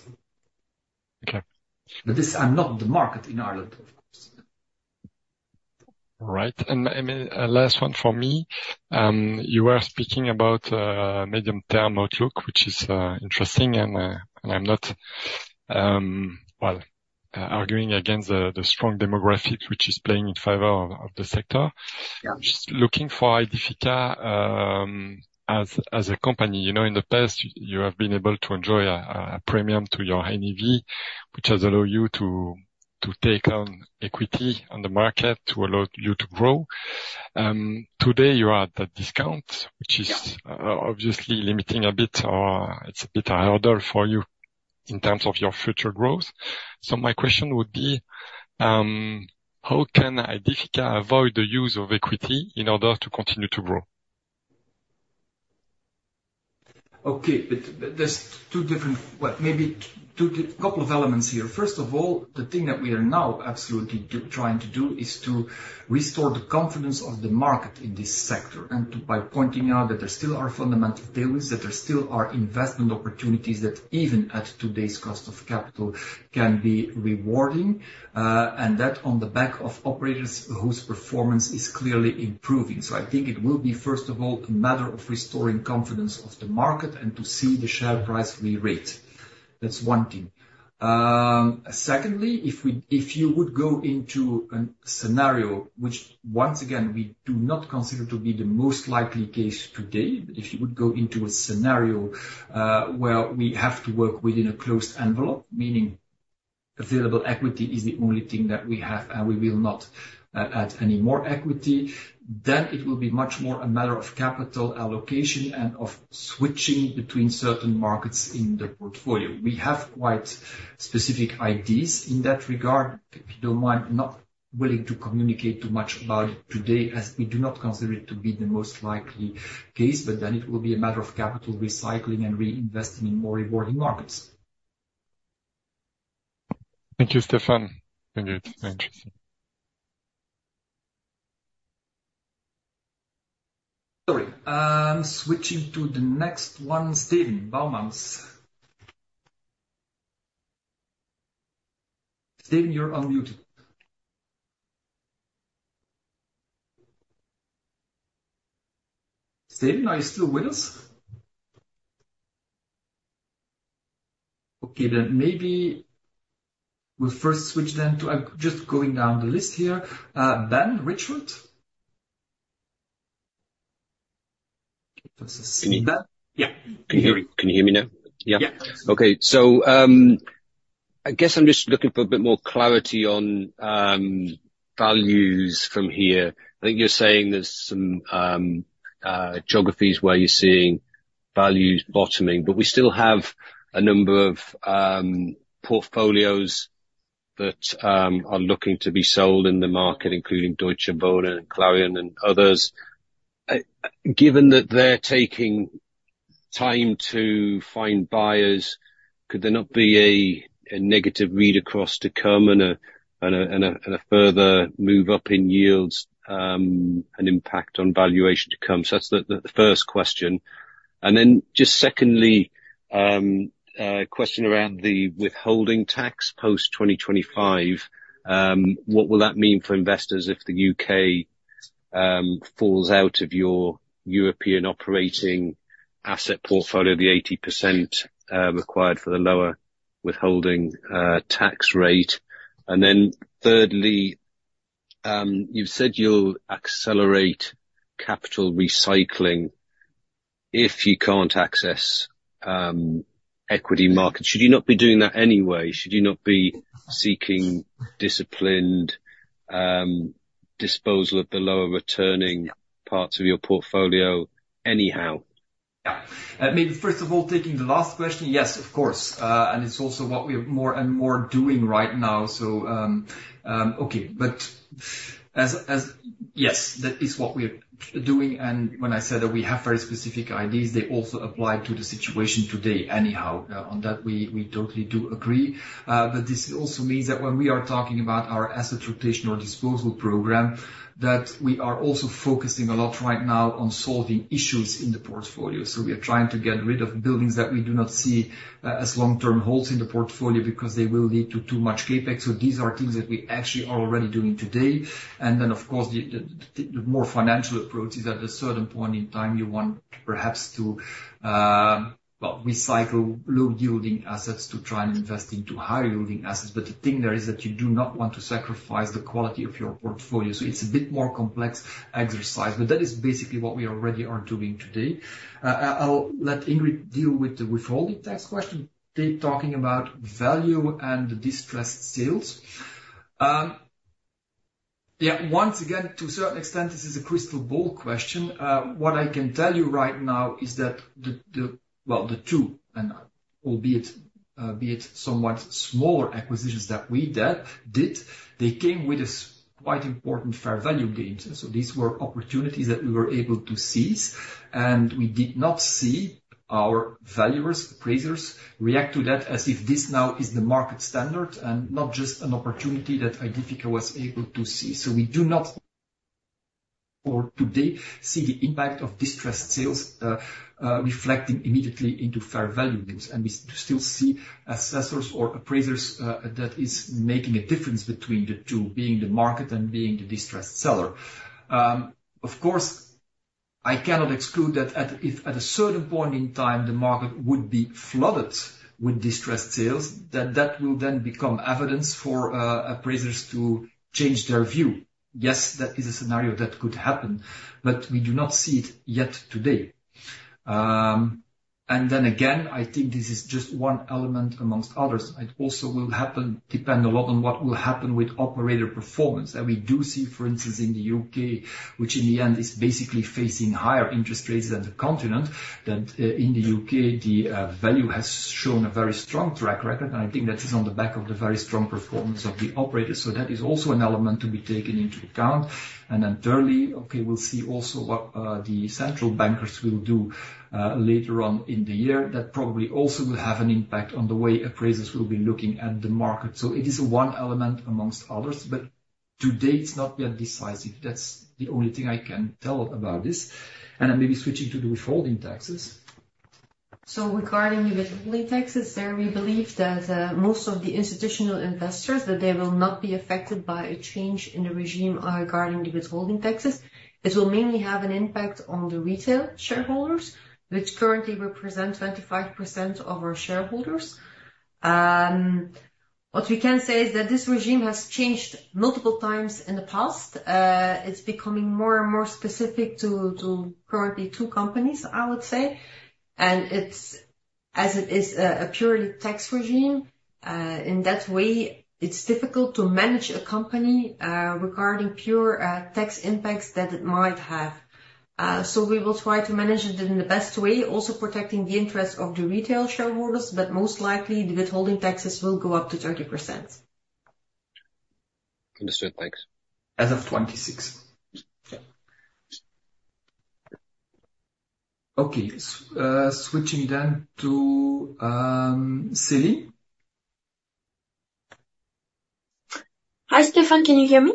Okay. But this, I'm not the market in Ireland, of course. Right. And last one for me. You were speaking about medium-term outlook, which is interesting, and I'm not well arguing against the strong demographics, which is playing in favor of the sector. Yeah. Just looking for Aedifica, as a company. You know, in the past, you have been able to enjoy a premium to your NAV, which has allowed you to take on equity on the market, to allow you to grow. Today, you are at a discount- Yeah... which is, obviously limiting a bit, or it's a bit harder for you in terms of your future growth. So my question would be, how can Aedifica avoid the use of equity in order to continue to grow? Okay. But there's two different, well, maybe two, couple of elements here. First of all, the thing that we are now absolutely trying to do is to restore the confidence of the market in this sector, and to by pointing out that there still are fundamental deals, that there still are investment opportunities that even at today's cost of capital, can be rewarding, and that on the back of operators whose performance is clearly improving. So I think it will be, first of all, a matter of restoring confidence of the market and to see the share price re-rate. That's one thing. Secondly, if you would go into a scenario, which once again, we do not consider to be the most likely case today. If you would go into a scenario, where we have to work within a closed envelope, meaning available equity is the only thing that we have, and we will not add any more equity, then it will be much more a matter of capital allocation and of switching between certain markets in the portfolio. We have quite specific ideas in that regard. If you don't mind, I'm not willing to communicate too much about it today, as we do not consider it to be the most likely case, but then it will be a matter of capital recycling and reinvesting in more rewarding markets. Thank you, Stefaan. Indeed, interesting. Sorry, switching to the next one, Steven Boumans. Steven, you're on mute. Steven, are you still with us? Okay, then maybe we'll first switch then to... I'm just going down the list here. Ben Richford? Can you see that? Yeah, can you hear me? Can you hear me now? Yeah. Yeah. Okay. So, I guess I'm just looking for a bit more clarity on values from here. I think you're saying there's some geographies where you're seeing values bottoming, but we still have a number of portfolios that are looking to be sold in the market, including Deutsche Wohnen and Clariane and others. Given that they're taking time to find buyers, could there not be a negative read-across to come and a further move up in yields, and impact on valuation to come? So that's the first question. And then, just secondly, a question around the withholding tax post-2025. What will that mean for investors if the UK falls out of your European operating asset portfolio, the 80% required for the lower withholding tax rate? And then, thirdly, you've said you'll accelerate capital recycling if you can't access equity markets. Should you not be doing that anyway? Should you not be seeking disciplined disposal of the lower returning parts of your portfolio anyhow? Yeah. Maybe first of all, taking the last question, yes, of course. And it's also what we are more and more doing right now, so... Okay, but yes, that is what we are doing. And when I said that we have very specific ideas, they also apply to the situation today anyhow. On that, we totally do agree. But this also means that when we are talking about our asset rotation or disposal program, that we are also focusing a lot right now on solving issues in the portfolio. So we are trying to get rid of buildings that we do not see as long-term holds in the portfolio because they will lead to too much CapEx. So these are things that we actually are already doing today. Then, of course, the more financial approach is, at a certain point in time, you want perhaps to well, recycle low-yielding assets to try and invest into higher-yielding assets. But the thing there is that you do not want to sacrifice the quality of your portfolio. So it's a bit more complex exercise, but that is basically what we already are doing today. I'll let Ingrid deal with the withholding tax question, talking about value and distressed sales. Yeah, once again, to a certain extent, this is a crystal ball question. What I can tell you right now is that the two, and albeit be it somewhat smaller acquisitions that we did, they came with a quite important fair value gains. So these were opportunities that we were able to seize, and we did not see our valuers, appraisers react to that as if this now is the market standard and not just an opportunity that I did think I was able to see. So we do not for today see the impact of distressed sales reflecting immediately into fair value gains. We still see assessors or appraisers that is making a difference between the two, being the market and being the distressed seller. Of course, I cannot exclude that if at a certain point in time, the market would be flooded with distressed sales, then that will then become evidence for appraisers to change their view. Yes, that is a scenario that could happen, but we do not see it yet today. And then again, I think this is just one element among others. It also will happen, depend a lot on what will happen with operator performance. And we do see, for instance, in the U.K., which in the end is basically facing higher interest rates than the continent, that, in the U.K., the value has shown a very strong track record, and I think that is on the back of the very strong performance of the operators. So that is also an element to be taken into account. And then thirdly, okay, we'll see also what the central bankers will do, later on in the year. That probably also will have an impact on the way appraisers will be looking at the market. So it is one element among others, but to date, it's not been decisive. That's the only thing I can tell about this, and I'm maybe switching to the withholding taxes. So regarding the withholding taxes, there we believe that, most of the institutional investors, that they will not be affected by a change in the regime, regarding the withholding taxes. It will mainly have an impact on the retail shareholders, which currently represent 25% of our shareholders. What we can say is that this regime has changed multiple times in the past. It's becoming more and more specific to, to currently two companies, I would say. And it's, as it is a, a purely tax regime, in that way, it's difficult to manage a company, regarding pure, tax impacts that it might have. So we will try to manage it in the best way, also protecting the interests of the retail shareholders, but most likely, the withholding taxes will go up to 30%. Understood. Thanks. As of 2026. Okay. Switching then to Céline. Hi, Stefaan. Can you hear me?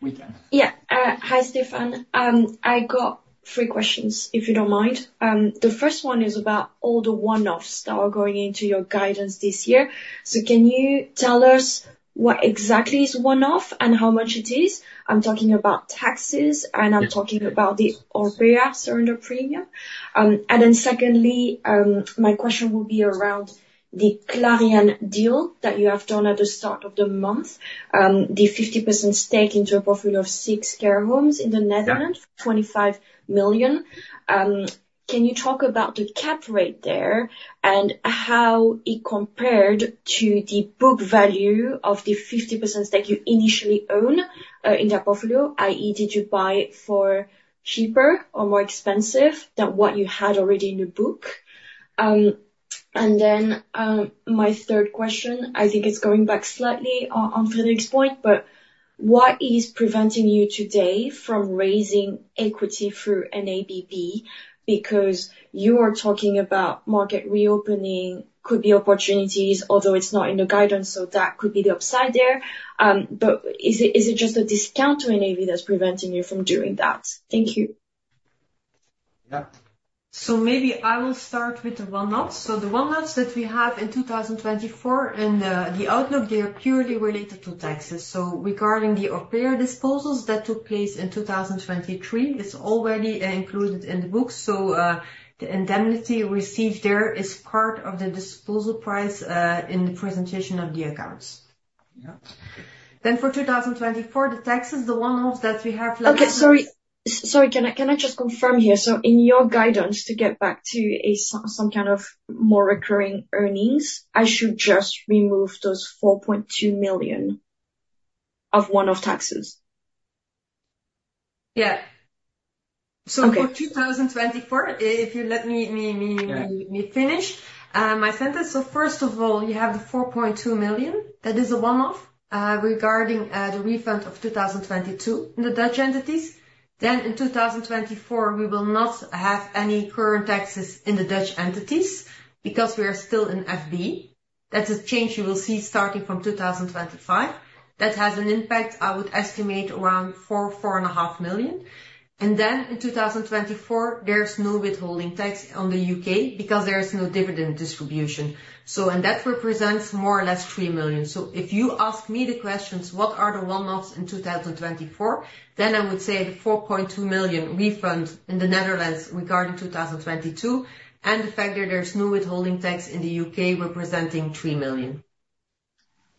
Yeah, we can. Yeah. Hi, Stefaan. I got three questions, if you don't mind. The first one is about all the one-offs that are going into your guidance this year. So can you tell us what exactly is one-off and how much it is? I'm talking about taxes- Yeah. And I'm talking about the Orpea surrender premium. And then secondly, my question will be around the Clariane deal that you have done at the start of the month. The 50% stake into a portfolio of six care homes in the Netherlands, 25 million. Can you talk about the cap rate there and how it compared to the book value of the 50% stake you initially own in the portfolio, i.e., did you buy it for cheaper or more expensive than what you had already in the book? And then, my third question, I think it's going back slightly on Frederick's point, but what is preventing you today from raising equity through an ABB? Because you are talking about market reopening could be opportunities, although it's not in the guidance, so that could be the upside there. Is it, is it just a discount to an ABB that's preventing you from doing that? Thank you. Yeah. So maybe I will start with the one-offs. So the one-offs that we have in 2024, and the outlook, they are purely related to taxes. So regarding the Orpea disposals that took place in 2023, it's already included in the books. So the indemnity received there is part of the disposal price in the presentation of the accounts. Yeah. Then for 2024, the taxes, the one-offs that we have left- Okay, sorry. Sorry, can I, can I just confirm here? So in your guidance, to get back to some kind of more recurring earnings, I should just remove those 4.2 million of one-off taxes? Yeah. Okay. For 2024, if you let me, Yeah... me finish my sentence. So first of all, you have the 4.2 million. That is a one-off regarding the refund of 2022 in the Dutch entities. Then in 2024, we will not have any current taxes in the Dutch entities because we are still in FBI. That's a change you will see starting from 2025. That has an impact, I would estimate, around 4-4.5 million. And then in 2024, there's no withholding tax on the UK because there is no dividend distribution, so, and that represents more or less 3 million. So if you ask me the questions, what are the one-offs in 2024? Then I would say the 4.2 million refund in the Netherlands regarding 2022, and the fact that there's no withholding tax in the UK representing 3 million.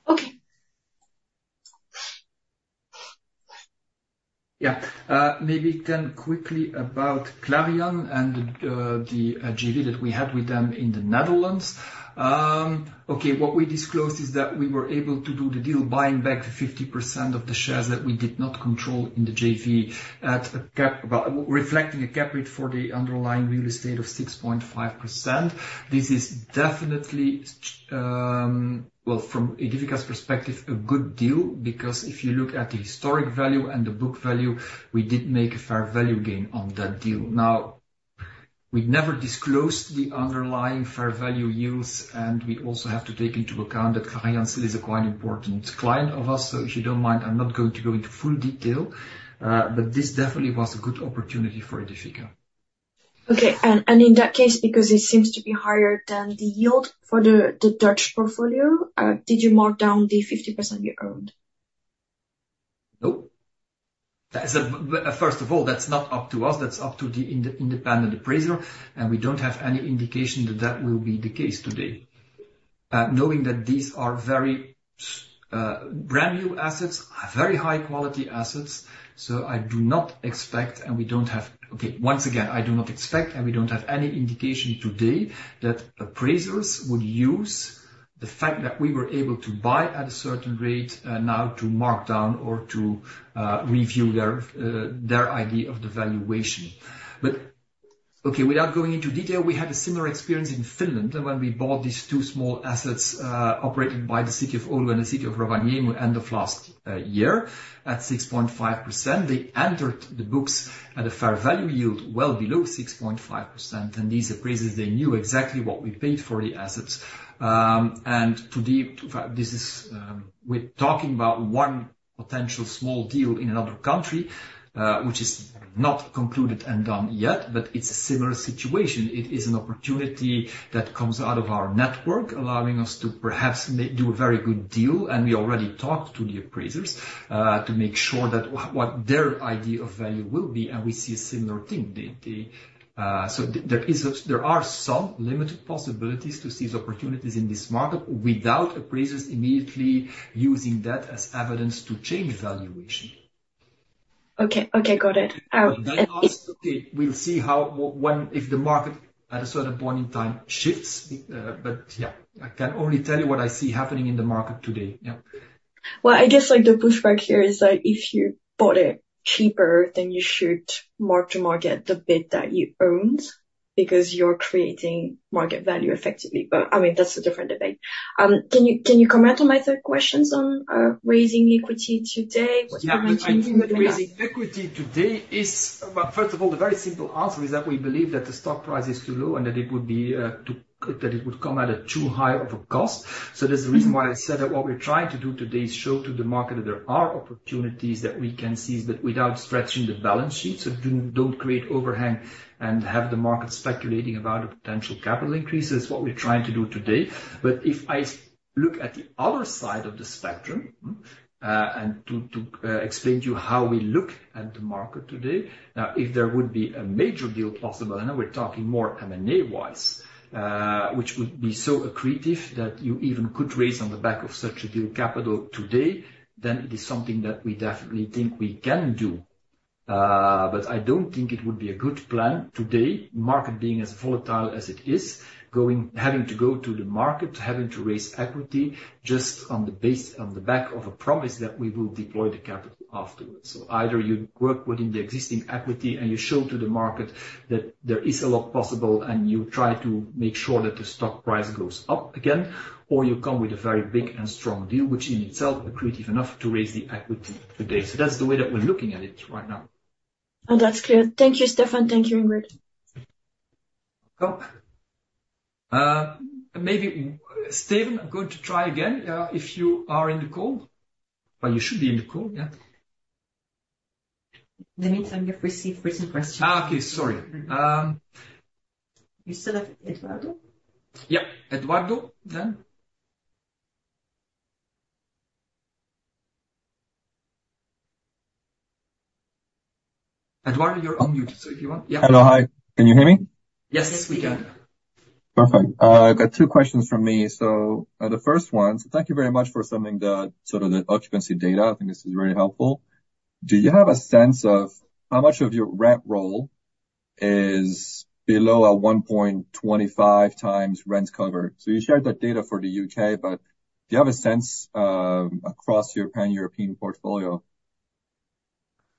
Okay. Yeah. Maybe then quickly about Clariane and the JV that we have with them in the Netherlands. Okay, what we disclosed is that we were able to do the deal, buying back 50% of the shares that we did not control in the JV at a cap rate reflecting a cap rate for the underlying real estate of 6.5%. This is definitely, well, from a difficult perspective, a good deal, because if you look at the historic value and the book value, we did make a fair value gain on that deal. Now, we never disclosed the underlying fair value yields, and we also have to take into account that Clariane still is a quite important client of ours. If you don't mind, I'm not going to go into full detail, but this definitely was a good opportunity for Aedifica. Okay. And in that case, because it seems to be higher than the yield for the Dutch portfolio, did you mark down the 50% you owned? Nope. That is first of all, that's not up to us, that's up to the independent appraiser, and we don't have any indication that that will be the case today. Knowing that these are very brand-new assets, very high-quality assets, so I do not expect, and we don't have any indication today that appraisers would use the fact that we were able to buy at a certain rate now to mark down or to review their idea of the valuation. Okay, once again, I do not expect, and we don't have any indication today that appraisers would use the fact that we were able to buy at a certain rate now to mark down or to review their idea of the valuation. But okay, without going into detail, we had a similar experience in Finland when we bought these two small assets operated by the city of Oulu and the city of Rovaniemi, end of last year, at 6.5%. They entered the books at a fair value yield well below 6.5%, and these appraisers, they knew exactly what we paid for the assets. In fact, we're talking about one potential small deal in another country, which is not concluded and done yet, but it's a similar situation. It is an opportunity that comes out of our network, allowing us to perhaps make a very good deal, and we already talked to the appraisers to make sure that what their idea of value will be, and we see a similar thing. So there are some limited possibilities to seize opportunities in this market without appraisers immediately using that as evidence to change valuation. ... Okay, okay, got it. And- We'll see how, when, if the market at a certain point in time shifts. But yeah, I can only tell you what I see happening in the market today. Yeah. Well, I guess, like, the pushback here is that if you bought it cheaper, then you should mark to market the bit that you owned, because you're creating market value effectively. But, I mean, that's a different debate. Can you, can you comment on my third questions on raising equity today? What you mentioned- Yeah, I think raising equity today is... Well, first of all, the very simple answer is that we believe that the stock price is too low, and that it would come at too high of a cost. So that's the reason why I said that what we're trying to do today is show to the market that there are opportunities that we can seize, but without stretching the balance sheet. So don't create overhang and have the market speculating about a potential capital increase. That's what we're trying to do today. But if I look at the other side of the spectrum, and to explain to you how we look at the market today, now, if there would be a major deal possible, and now we're talking more M&A-wise, which would be so accretive that you even could raise on the back of such a deal capital today, then it is something that we definitely think we can do. But I don't think it would be a good plan today, market being as volatile as it is, going having to go to the market, having to raise equity just on the back of a promise that we will deploy the capital afterwards. So either you work within the existing equity, and you show to the market that there is a lot possible, and you try to make sure that the stock price goes up again, or you come with a very big and strong deal, which in itself, accretive enough to raise the equity today. So that's the way that we're looking at it right now. Oh, that's clear. Thank you, Stefaan. Thank you, Ingrid. Maybe, Steven, I'm going to try again if you are in the call, but you should be in the call, yeah. In the meantime, we have received written question. Okay. Sorry. You still have Eduardo? Yeah. Eduardo, yeah. Eduardo, you're on mute, so if you want, yeah. Hello. Hi, can you hear me? Yes, we can. Yes, we can. Perfect. I've got two questions from me. So, the first one, so thank you very much for sending the, sort of the occupancy data. I think this is very helpful. Do you have a sense of how much of your rent roll is below a 1.25 times rent cover? So you shared that data for the UK, but do you have a sense, across your pan-European portfolio?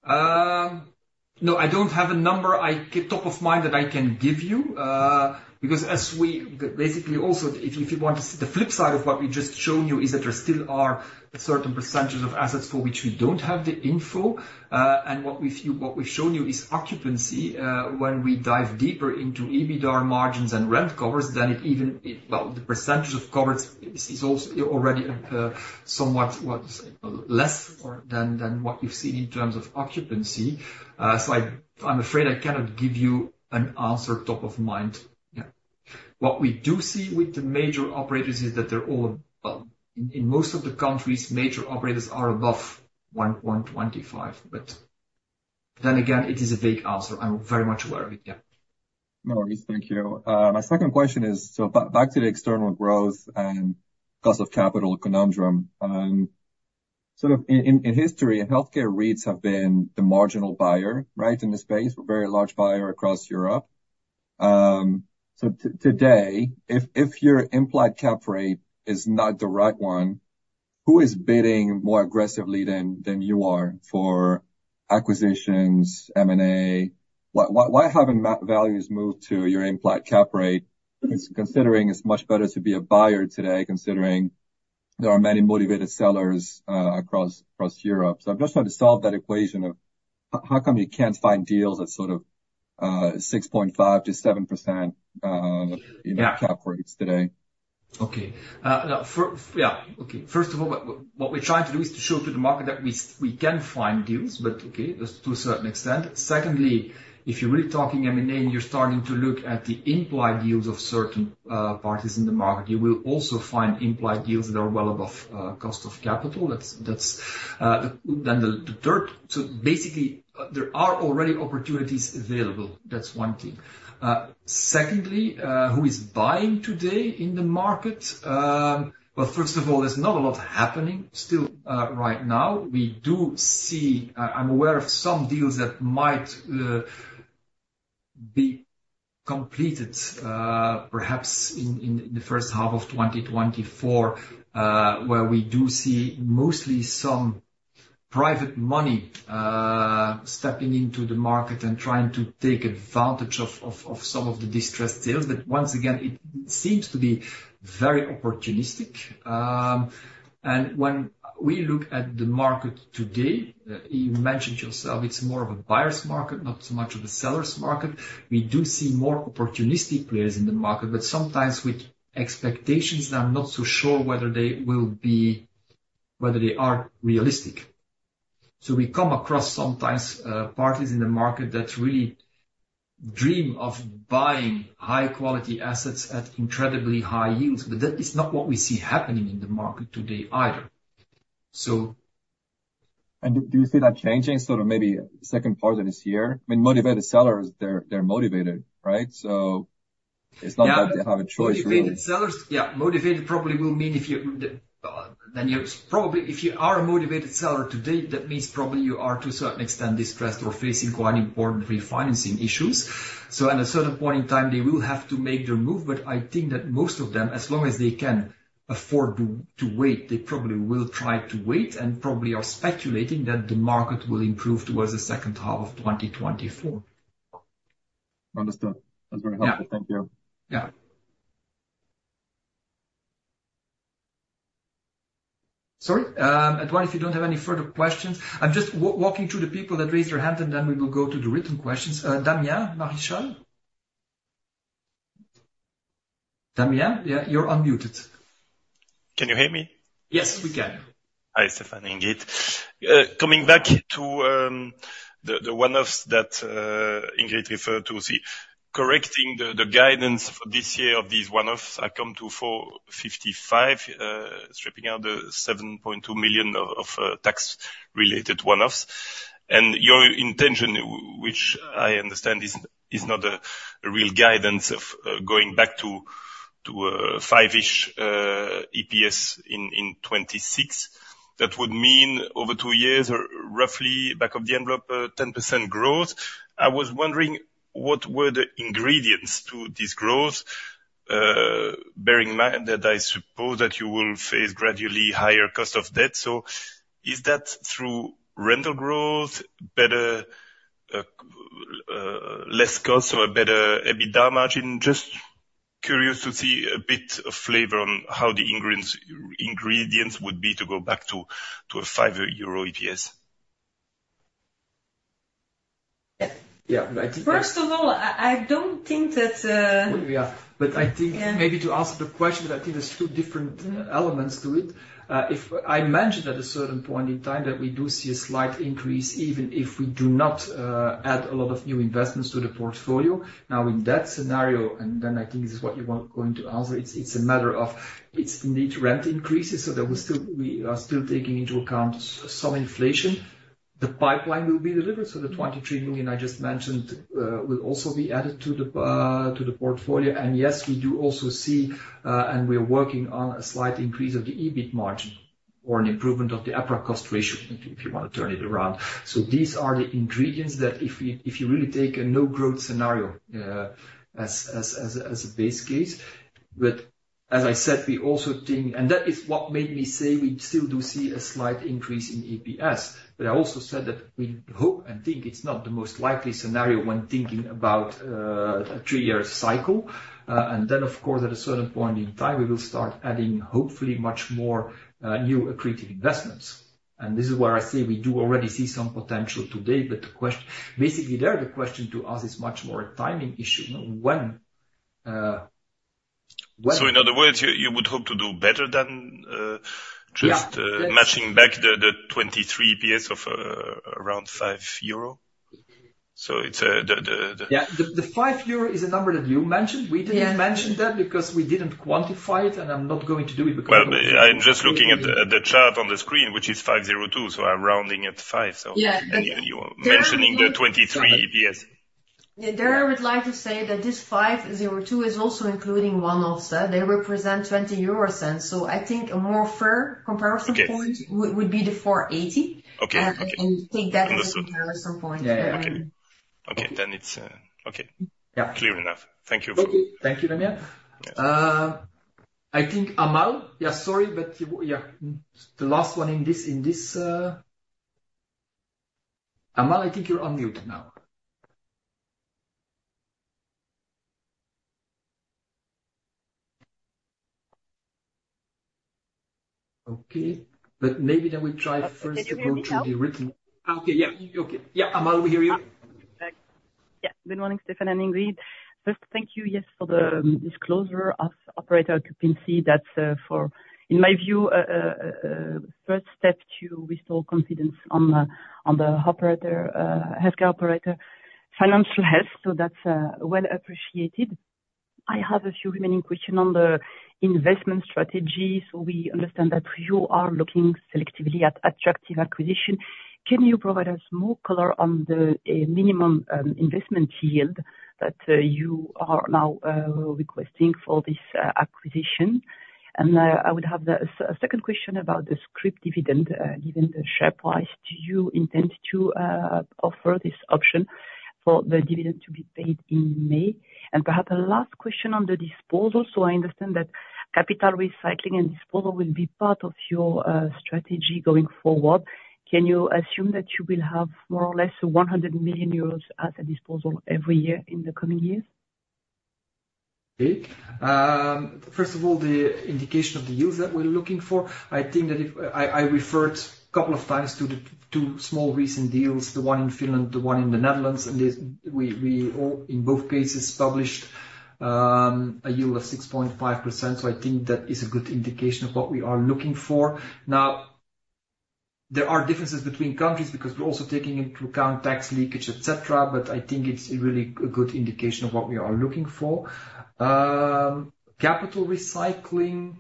No, I don't have a number top of mind that I can give you. Because as we... Basically, also, if you want to see the flip side of what we've just shown you is that there still are a certain percentage of assets for which we don't have the info. And what we've shown you is occupancy. When we dive deeper into EBITDAR margins and rent covers, then it even well, the percentage of coverage is also already somewhat less than what you've seen in terms of occupancy. So I'm afraid I cannot give you an answer top of mind. Yeah. What we do see with the major operators is that they're all, well, in most of the countries, major operators are above 1.25, but then again, it is a vague answer. I'm very much aware of it, yeah. No worries. Thank you. My second question is, so back to the external growth and cost of capital conundrum. Sort of in history, healthcare REITs have been the marginal buyer, right, in the space, but very large buyer across Europe. So today, if your implied cap rate is not the right one, who is bidding more aggressively than you are for acquisitions, M&A? Why haven't values moved to your implied cap rate, considering it's much better to be a buyer today, considering there are many motivated sellers across Europe? So I'm just trying to solve that equation of how come you can't find deals at sort of 6.5%-7% in your- Yeah Cap rates today? Okay. Yeah, okay. First of all, what we're trying to do is to show to the market that we can find deals, but okay, that's to a certain extent. Secondly, if you're really talking M&A, and you're starting to look at the implied deals of certain parties in the market, you will also find implied deals that are well above cost of capital. That's... Then the third, so basically, there are already opportunities available. That's one thing. Secondly, who is buying today in the market? Well, first of all, there's not a lot happening still right now. We do see, I'm aware of some deals that might be completed, perhaps in the H1 of 2024, where we do see mostly some private money stepping into the market and trying to take advantage of some of the distressed deals. But once again, it seems to be very opportunistic. And when we look at the market today, you mentioned yourself, it's more of a buyer's market, not so much of a seller's market. We do see more opportunistic players in the market, but sometimes with expectations that I'm not so sure whether they will be, whether they are realistic. So we come across sometimes parties in the market that really dream of buying high quality assets at incredibly high yields, but that is not what we see happening in the market today either. So- Do you see that changing, sort of maybe second part of this year? I mean, motivated sellers, they're, they're motivated, right? It's not that they have a choice, really. Yeah, motivated sellers. Yeah, motivated—probably will mean if you are a motivated seller today, that means probably you are to a certain extent distressed or facing quite important refinancing issues. So at a certain point in time, they will have to make their move. But I think that most of them, as long as they can afford to wait, they probably will try to wait and probably are speculating that the market will improve towards the H2 of 2024. Understood. That's very helpful. Yeah. Thank you. Yeah. Sorry, Edward, if you don't have any further questions, I'm just walking through the people that raised their hand, and then we will go to the written questions. Damien Marichal? Damien, yeah, you're unmuted. Can you hear me? Yes, we can. Hi, Stefan, Ingrid. Coming back to the one-offs that Ingrid referred to, correcting the guidance for this year of these one-offs, I come to 4.55, stripping out the 7.2 million of tax-related one-offs. And your intention, which I understand is not a real guidance of going back to five-ish EPS in 2026. That would mean over 2 years or roughly back-of-the-envelope 10% growth. I was wondering, what were the ingredients to this growth, bearing in mind that I suppose that you will face gradually higher cost of debt. So is that through rental growth, better less cost or a better EBITDA margin? Just curious to see a bit of flavor on how the ingredients would be to go back to, to a five euro EPS. Yeah. Yeah, I think- First of all, I don't think that, Yeah, but I think- Yeah. Maybe to answer the question, I think there's two different elements to it. If I mentioned at a certain point in time that we do see a slight increase, even if we do not add a lot of new investments to the portfolio. Now, in that scenario, and then I think this is what you want going to answer, it's a matter of it's the need to rent increases, so that we still, we are still taking into account some inflation. The pipeline will be delivered, so the 23 million I just mentioned will also be added to the portfolio. And yes, we do also see and we are working on a slight increase of the EBIT margin or an improvement of the EPRA cost ratio, if you want to turn it around. So these are the ingredients that if you really take a no-growth scenario as a base case. But as I said, we also think... That is what made me say we still do see a slight increase in EPS. But I also said that we hope and think it's not the most likely scenario when thinking about a three-year cycle. Then, of course, at a certain point in time, we will start adding, hopefully, much more new accretive investments. This is where I say we do already see some potential today, but the question to ask is much more a timing issue, you know, when, when- So in other words, you would hope to do better than Yeah. Just matching back the 2023 EPS of around 5 euro? So it's the. Yeah, the 5 euro is a number that you mentioned. Yeah. We didn't mention that because we didn't quantify it, and I'm not going to do it, because- Well, I'm just looking at the chart on the screen, which is 502, so I'm rounding it at 5. Yeah. So, and even you are mentioning the 2023 EPS. Yeah. There, I would like to say that this 5.02 is also including one-off items. They represent 0.20. So I think a more fair comparison point- Okay. would be the 480. Okay. And take that as a comparison point. Yeah, yeah. Okay. Okay, then it's... Okay. Yeah. Clear enough. Thank you. Okay. Thank you, Damien. Yeah. I think Amal. Yeah, sorry, but you, yeah, the last one in this... Amal, I think you're on mute now. Okay, but maybe I will try first- Can you hear me now? Okay, yeah. Okay, yeah, Amal, we hear you. Yeah. Good morning, Stefaan and Ingrid. First, thank you, yes, for the disclosure of operator occupancy. That's, for, in my view, first step to restore confidence on the, on the operator, healthcare operator financial health. So that's well appreciated. I have a few remaining questions on the investment strategy. So we understand that you are looking selectively at attractive acquisition. Can you provide us more color on the minimum investment yield that you are now requesting for this acquisition? And I would have a second question about the scrip dividend, given the share price. Do you intend to offer this option for the dividend to be paid in May? And perhaps a last question on the disposal. So I understand that capital recycling and disposal will be part of your strategy going forward. Can you assume that you will have more or less 100 million euros at your disposal every year in the coming years? Okay. First of all, the indication of the yields that we're looking for, I think that if I, I referred a couple of times to the two small recent deals, the one in Finland, the one in the Netherlands, and this we, we all, in both cases, published a yield of 6.5%. So I think that is a good indication of what we are looking for. Now, there are differences between countries because we're also taking into account tax leakage, et cetera, but I think it's a really, a good indication of what we are looking for. Capital recycling,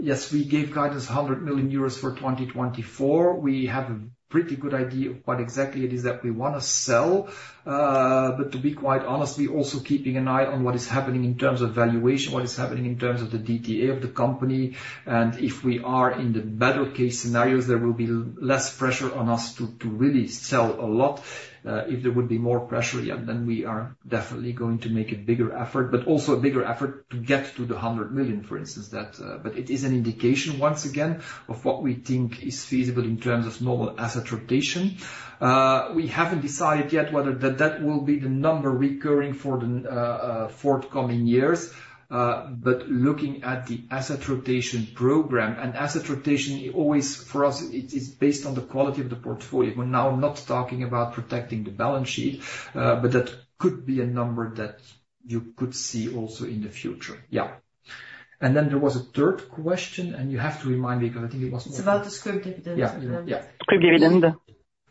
yes, we gave guidance 100 million euros for 2024. We have a pretty good idea of what exactly it is that we want to sell. But to be quite honest, we're also keeping an eye on what is happening in terms of valuation, what is happening in terms of the DTA of the company, and if we are in the better case scenarios, there will be less pressure on us to really sell a lot. If there would be more pressure, yeah, then we are definitely going to make a bigger effort, but also a bigger effort to get to 100 million, for instance. That but it is an indication, once again, of what we think is feasible in terms of normal asset rotation. We haven't decided yet whether that will be the number recurring for the forthcoming years. But looking at the asset rotation program, and asset rotation, it always, for us, it is based on the quality of the portfolio. We're now not talking about protecting the balance sheet, but that could be a number that you could see also in the future. Yeah. And then there was a third question, and you have to remind me because I think it was- It's about the scrip dividend. Yeah. Yeah. Scrip dividend.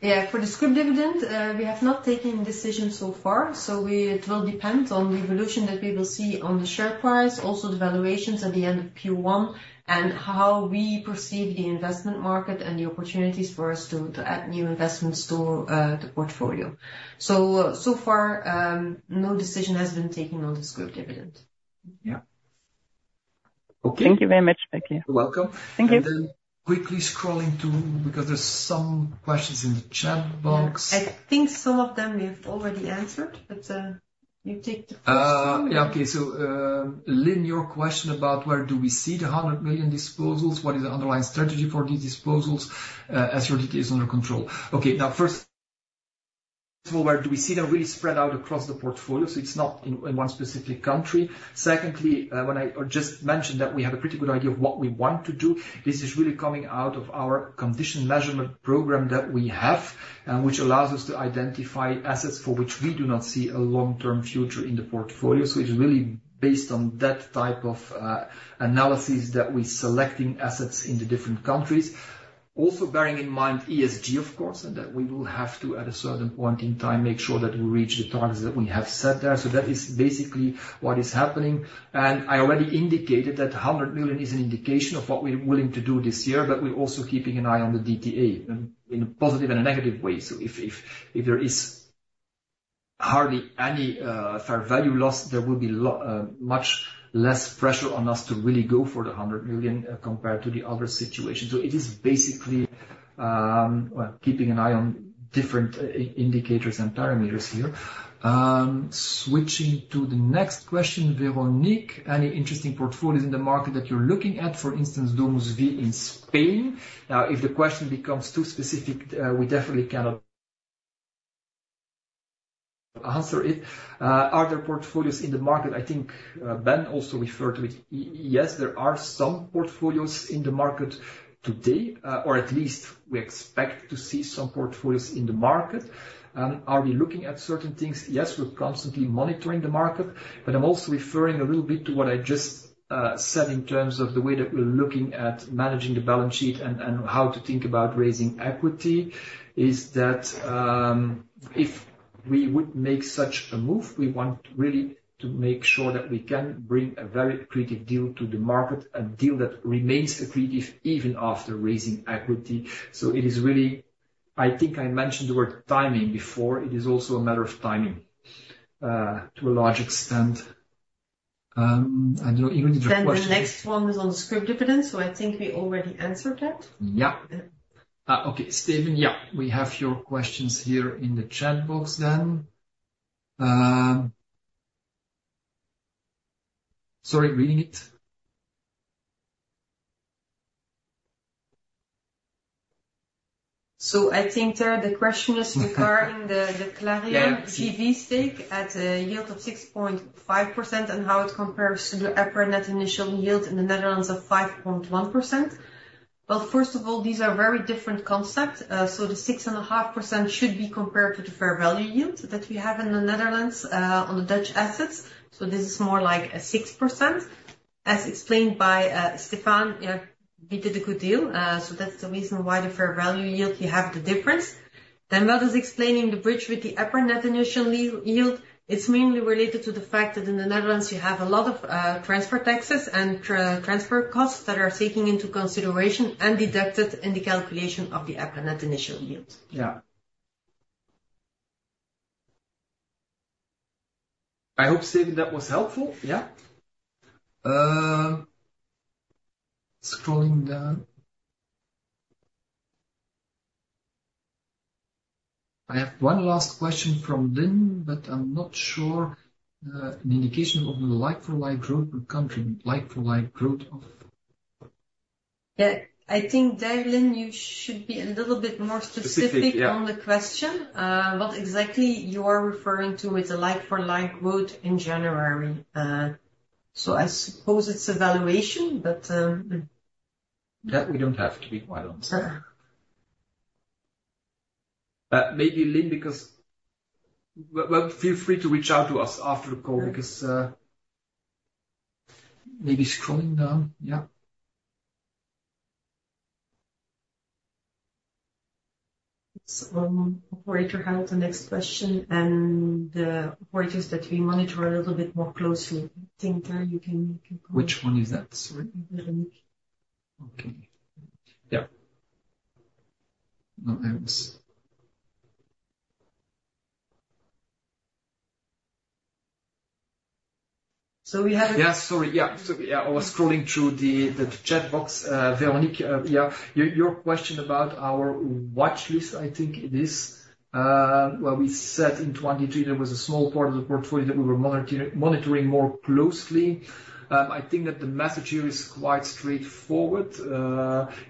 Yeah. For the scrip dividend, we have not taken a decision so far, so it will depend on the evolution that we will see on the share price, also the valuations at the end of Q1, and how we perceive the investment market and the opportunities for us to add new investments to the portfolio. So, so far, no decision has been taken on the scrip dividend. Yeah. Okay. Thank you very much, Becky. You're welcome. Thank you. Then quickly scrolling to... Because there's some questions in the chat box. Yeah. I think some of them we have already answered, but, you take the first. Yeah. Okay. So, Lynn, your question about where do we see the 100 million disposals? What is the underlying strategy for these disposals, as your data is under control? Okay. Now, first, where do we see them really spread out across the portfolio, so it's not in, in one specific country. Secondly, when I just mentioned that we have a pretty good idea of what we want to do, this is really coming out of our condition measurement program that we have, and which allows us to identify assets for which we do not see a long-term future in the portfolio. So it's really based on that type of analysis that we're selecting assets in the different countries. Also, bearing in mind ESG, of course, and that we will have to, at a certain point in time, make sure that we reach the targets that we have set there. So that is basically what is happening. And I already indicated that 100 million is an indication of what we're willing to do this year, but we're also keeping an eye on the DTA in a positive and a negative way. So if there is hardly any fair value loss, there will be much less pressure on us to really go for the 100 million compared to the other situation. So it is basically, well, keeping an eye on different indicators and parameters here. Switching to the next question, Veronique, any interesting portfolios in the market that you're looking at, for instance, DomusVi in Spain? Now, if the question becomes too specific, we definitely cannot answer it. Are there portfolios in the market? I think, Ben also referred to it. Yes, there are some portfolios in the market today, or at least we expect to see some portfolios in the market. And are we looking at certain things? Yes, we're constantly monitoring the market, but I'm also referring a little bit to what I just said in terms of the way that we're looking at managing the balance sheet and how to think about raising equity, is that, if we would make such a move, we want really to make sure that we can bring a very creative deal to the market, a deal that remains accretive even after raising equity. So it is really... I think I mentioned the word timing before. It is also a matter of timing, to a large extent. I don't even read the question. The next one was on scrip dividend, so I think we already answered that. Yeah. Yeah. Okay, Steven. Yeah, we have your questions here in the chat box then. Sorry, read it. So I think there, the question is regarding the Clariane JV stake at a yield of 6.5% and how it compares to the EPRA net initial yield in the Netherlands of 5.1%. Well, first of all, these are very different concepts. So the 6.5% should be compared to the fair value yield that we have in the Netherlands, on the Dutch assets. So this is more like a 6%. As explained by Stefaan, we did a good deal. So that's the reason why the fair value yield, you have the difference. Then what is explaining the bridge with the EPRA net initial yield, yield? It's mainly related to the fact that in the Netherlands you have a lot of transfer taxes and transfer costs that are taking into consideration and deducted in the calculation of the EPRA net initial yield. Yeah. I hope, Stefaan, that was helpful. Yeah? Scrolling down. I have one last question from Lynn, but I'm not sure, an indication of the like-for-like growth or country like-for-like growth of- Yeah, I think, then Lynn, you should be a little bit more specific- Specific, yeah... on the question. What exactly you are referring to with the like-for-like growth in January? So I suppose it's evaluation, but, That we don't have to be quite honest. Uh. Maybe Lynn, because... Well, feel free to reach out to us after the call- Yeah... because, maybe scrolling down. Yeah.... So, operator, have the next question and the operators that we monitor a little bit more closely. I think there you can make a comment. Which one is that? Sorry. Veronique. Okay. Yeah. No, I was- So we have- Yeah, sorry. Yeah. So yeah, I was scrolling through the chat box. Véronique, yeah, your question about our watchlist, I think it is. Where we said in 2022, there was a small part of the portfolio that we were monitoring more closely. I think that the message here is quite straightforward,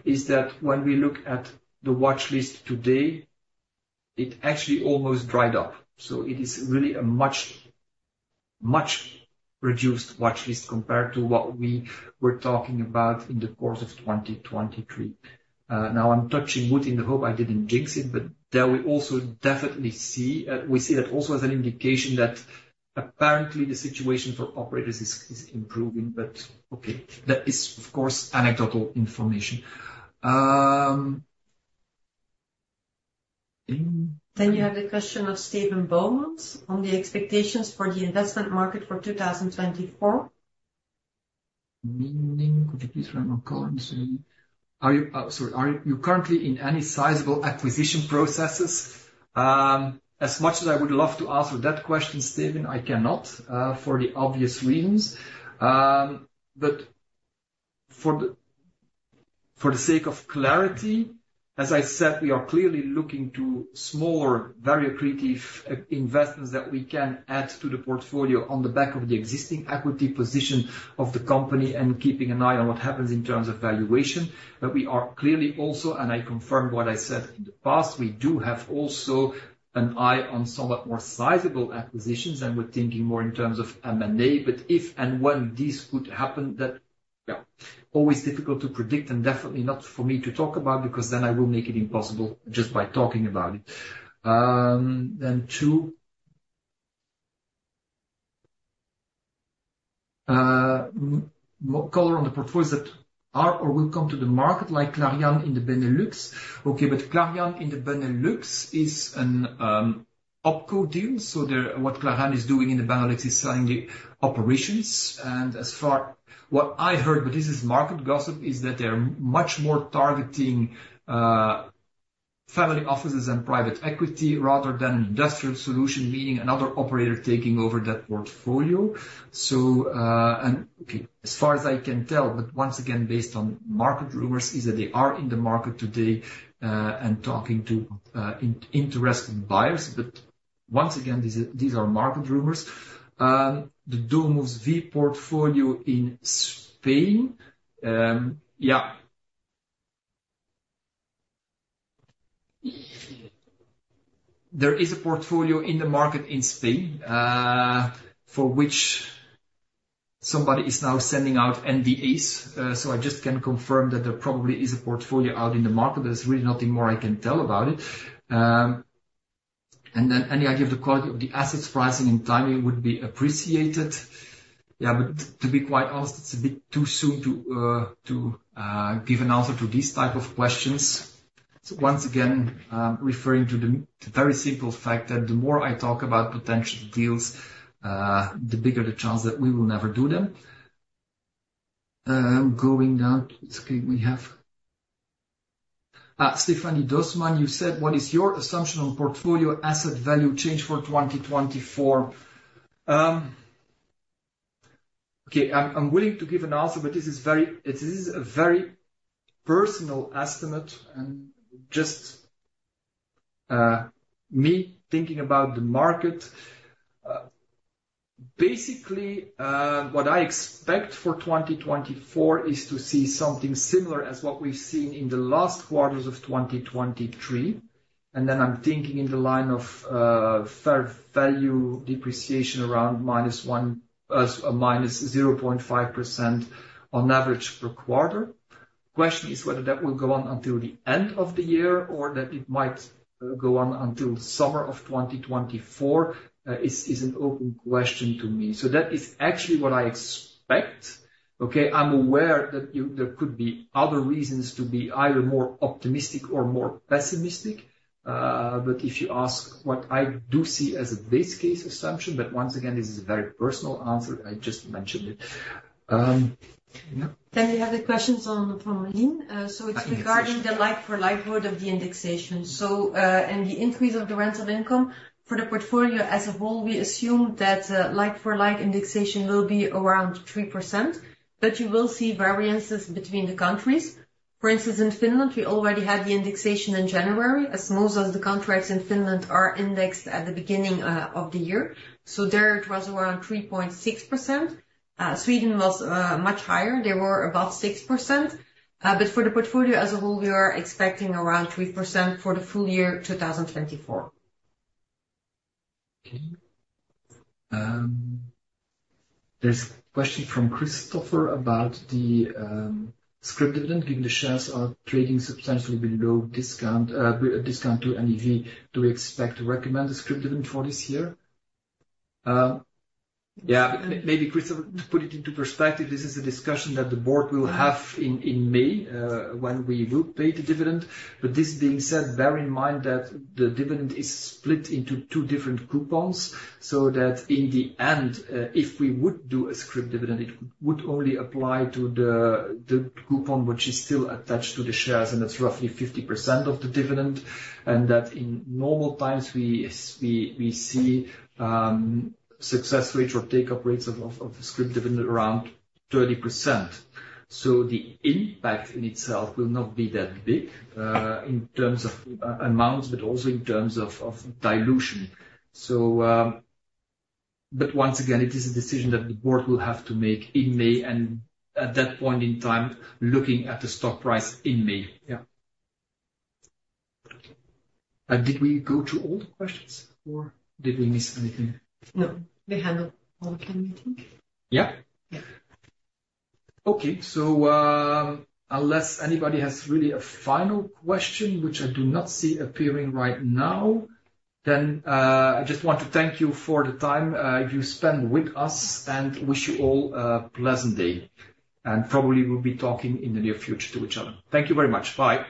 is that when we look at the watchlist today, it actually almost dried up. So it is really a much, much reduced watchlist compared to what we were talking about in the course of 2023. Now I'm touching wood in the hope I didn't jinx it, but there we also definitely see, we see that also as an indication that apparently the situation for operators is improving. But okay, that is, of course, anecdotal information. And- Then you have the question of Steven Boumans on the expectations for the investment market for 2024. Meaning, could you please run current? So are you, Sorry, are you currently in any sizable acquisition processes? As much as I would love to answer that question, Steven, I cannot, for the obvious reasons. But for the sake of clarity, as I said, we are clearly looking to smaller, very accretive, investments that we can add to the portfolio on the back of the existing equity position of the company and keeping an eye on what happens in terms of valuation. But we are clearly also, and I confirm what I said in the past, we do have also an eye on somewhat more sizable acquisitions, and we're thinking more in terms of M&A. But if and when this would happen, that, yeah, always difficult to predict and definitely not for me to talk about because then I will make it impossible just by talking about it. Then too more color on the portfolios that are or will come to the market like Clariane in the Benelux. Okay, but Clariane in the Benelux is an OpCo deal, so they're what Clariane is doing in the Benelux is selling the operations. And as far as what I heard, but this is market gossip, is that they're much more targeting family offices and private equity rather than industrial solution, meaning another operator taking over that portfolio. So and okay, as far as I can tell, but once again, based on market rumors, is that they are in the market today and talking to interested buyers. But once again, these are, these are market rumors. The DomusVi portfolio in Spain. Yeah. There is a portfolio in the market in Spain, for which somebody is now sending out NDAs. So I just can confirm that there probably is a portfolio out in the market. There's really nothing more I can tell about it. And then any idea of the quality of the assets, pricing, and timing would be appreciated. Yeah, but to, to be quite honest, it's a bit too soon to, to, give an answer to these type of questions. So once again, referring to the, the very simple fact that the more I talk about potential deals, the bigger the chance that we will never do them. Going down, let's see, we have Stephanie Dossmann, you said, "What is your assumption on portfolio asset value change for 2024?" Okay, I'm willing to give an answer, but this is very... It is a very personal estimate and just me thinking about the market. Basically, what I expect for 2024 is to see something similar as what we've seen in the last quarters of 2023, and then I'm thinking in the line of fair value depreciation around -1%-0.5% on average per quarter. Question is whether that will go on until the end of the year or that it might go on until summer of 2024 is an open question to me. So that is actually what I expect. Okay, I'm aware that you, there could be other reasons to be either more optimistic or more pessimistic, but if you ask what I do see as a base case assumption, but once again, this is a very personal answer, I just mentioned it. Yeah. Then you have the questions on the line. Uh, acquisition. It's regarding the like-for-like growth of the indexation. And the increase of the rental income for the portfolio as a whole, we assume that like-for-like indexation will be around 3%, but you will see variances between the countries. For instance, in Finland, we already had the indexation in January, as most of the contracts in Finland are indexed at the beginning of the year. So there, it was around 3.6%. Sweden was much higher. They were about 6%. But for the portfolio as a whole, we are expecting around 3% for the full year, 2024. Okay. There's a question from Christopher about the scrip dividend, given the shares are trading substantially below discount, discount to NAV. Do we expect to recommend the scrip dividend for this year? Yeah, maybe, Christopher, to put it into perspective, this is a discussion that the board will have in May, when we will pay the dividend. But this being said, bear in mind that the dividend is split into two different coupons, so that in the end, if we would do a scrip dividend, it would only apply to the coupon which is still attached to the shares, and that's roughly 50% of the dividend. And that in normal times, we see success rates or take-up rates of scrip dividend around 30%. So the impact in itself will not be that big, in terms of amounts, but also in terms of dilution. But once again, it is a decision that the board will have to make in May, and at that point in time, looking at the stock price in May. Yeah. Did we go through all the questions, or did we miss anything? No, we handled all of them, I think. Yeah? Yeah. Okay. So, unless anybody has really a final question, which I do not see appearing right now, then, I just want to thank you for the time you spent with us, and wish you all a pleasant day. And probably, we'll be talking in the near future to each other. Thank you very much. Bye.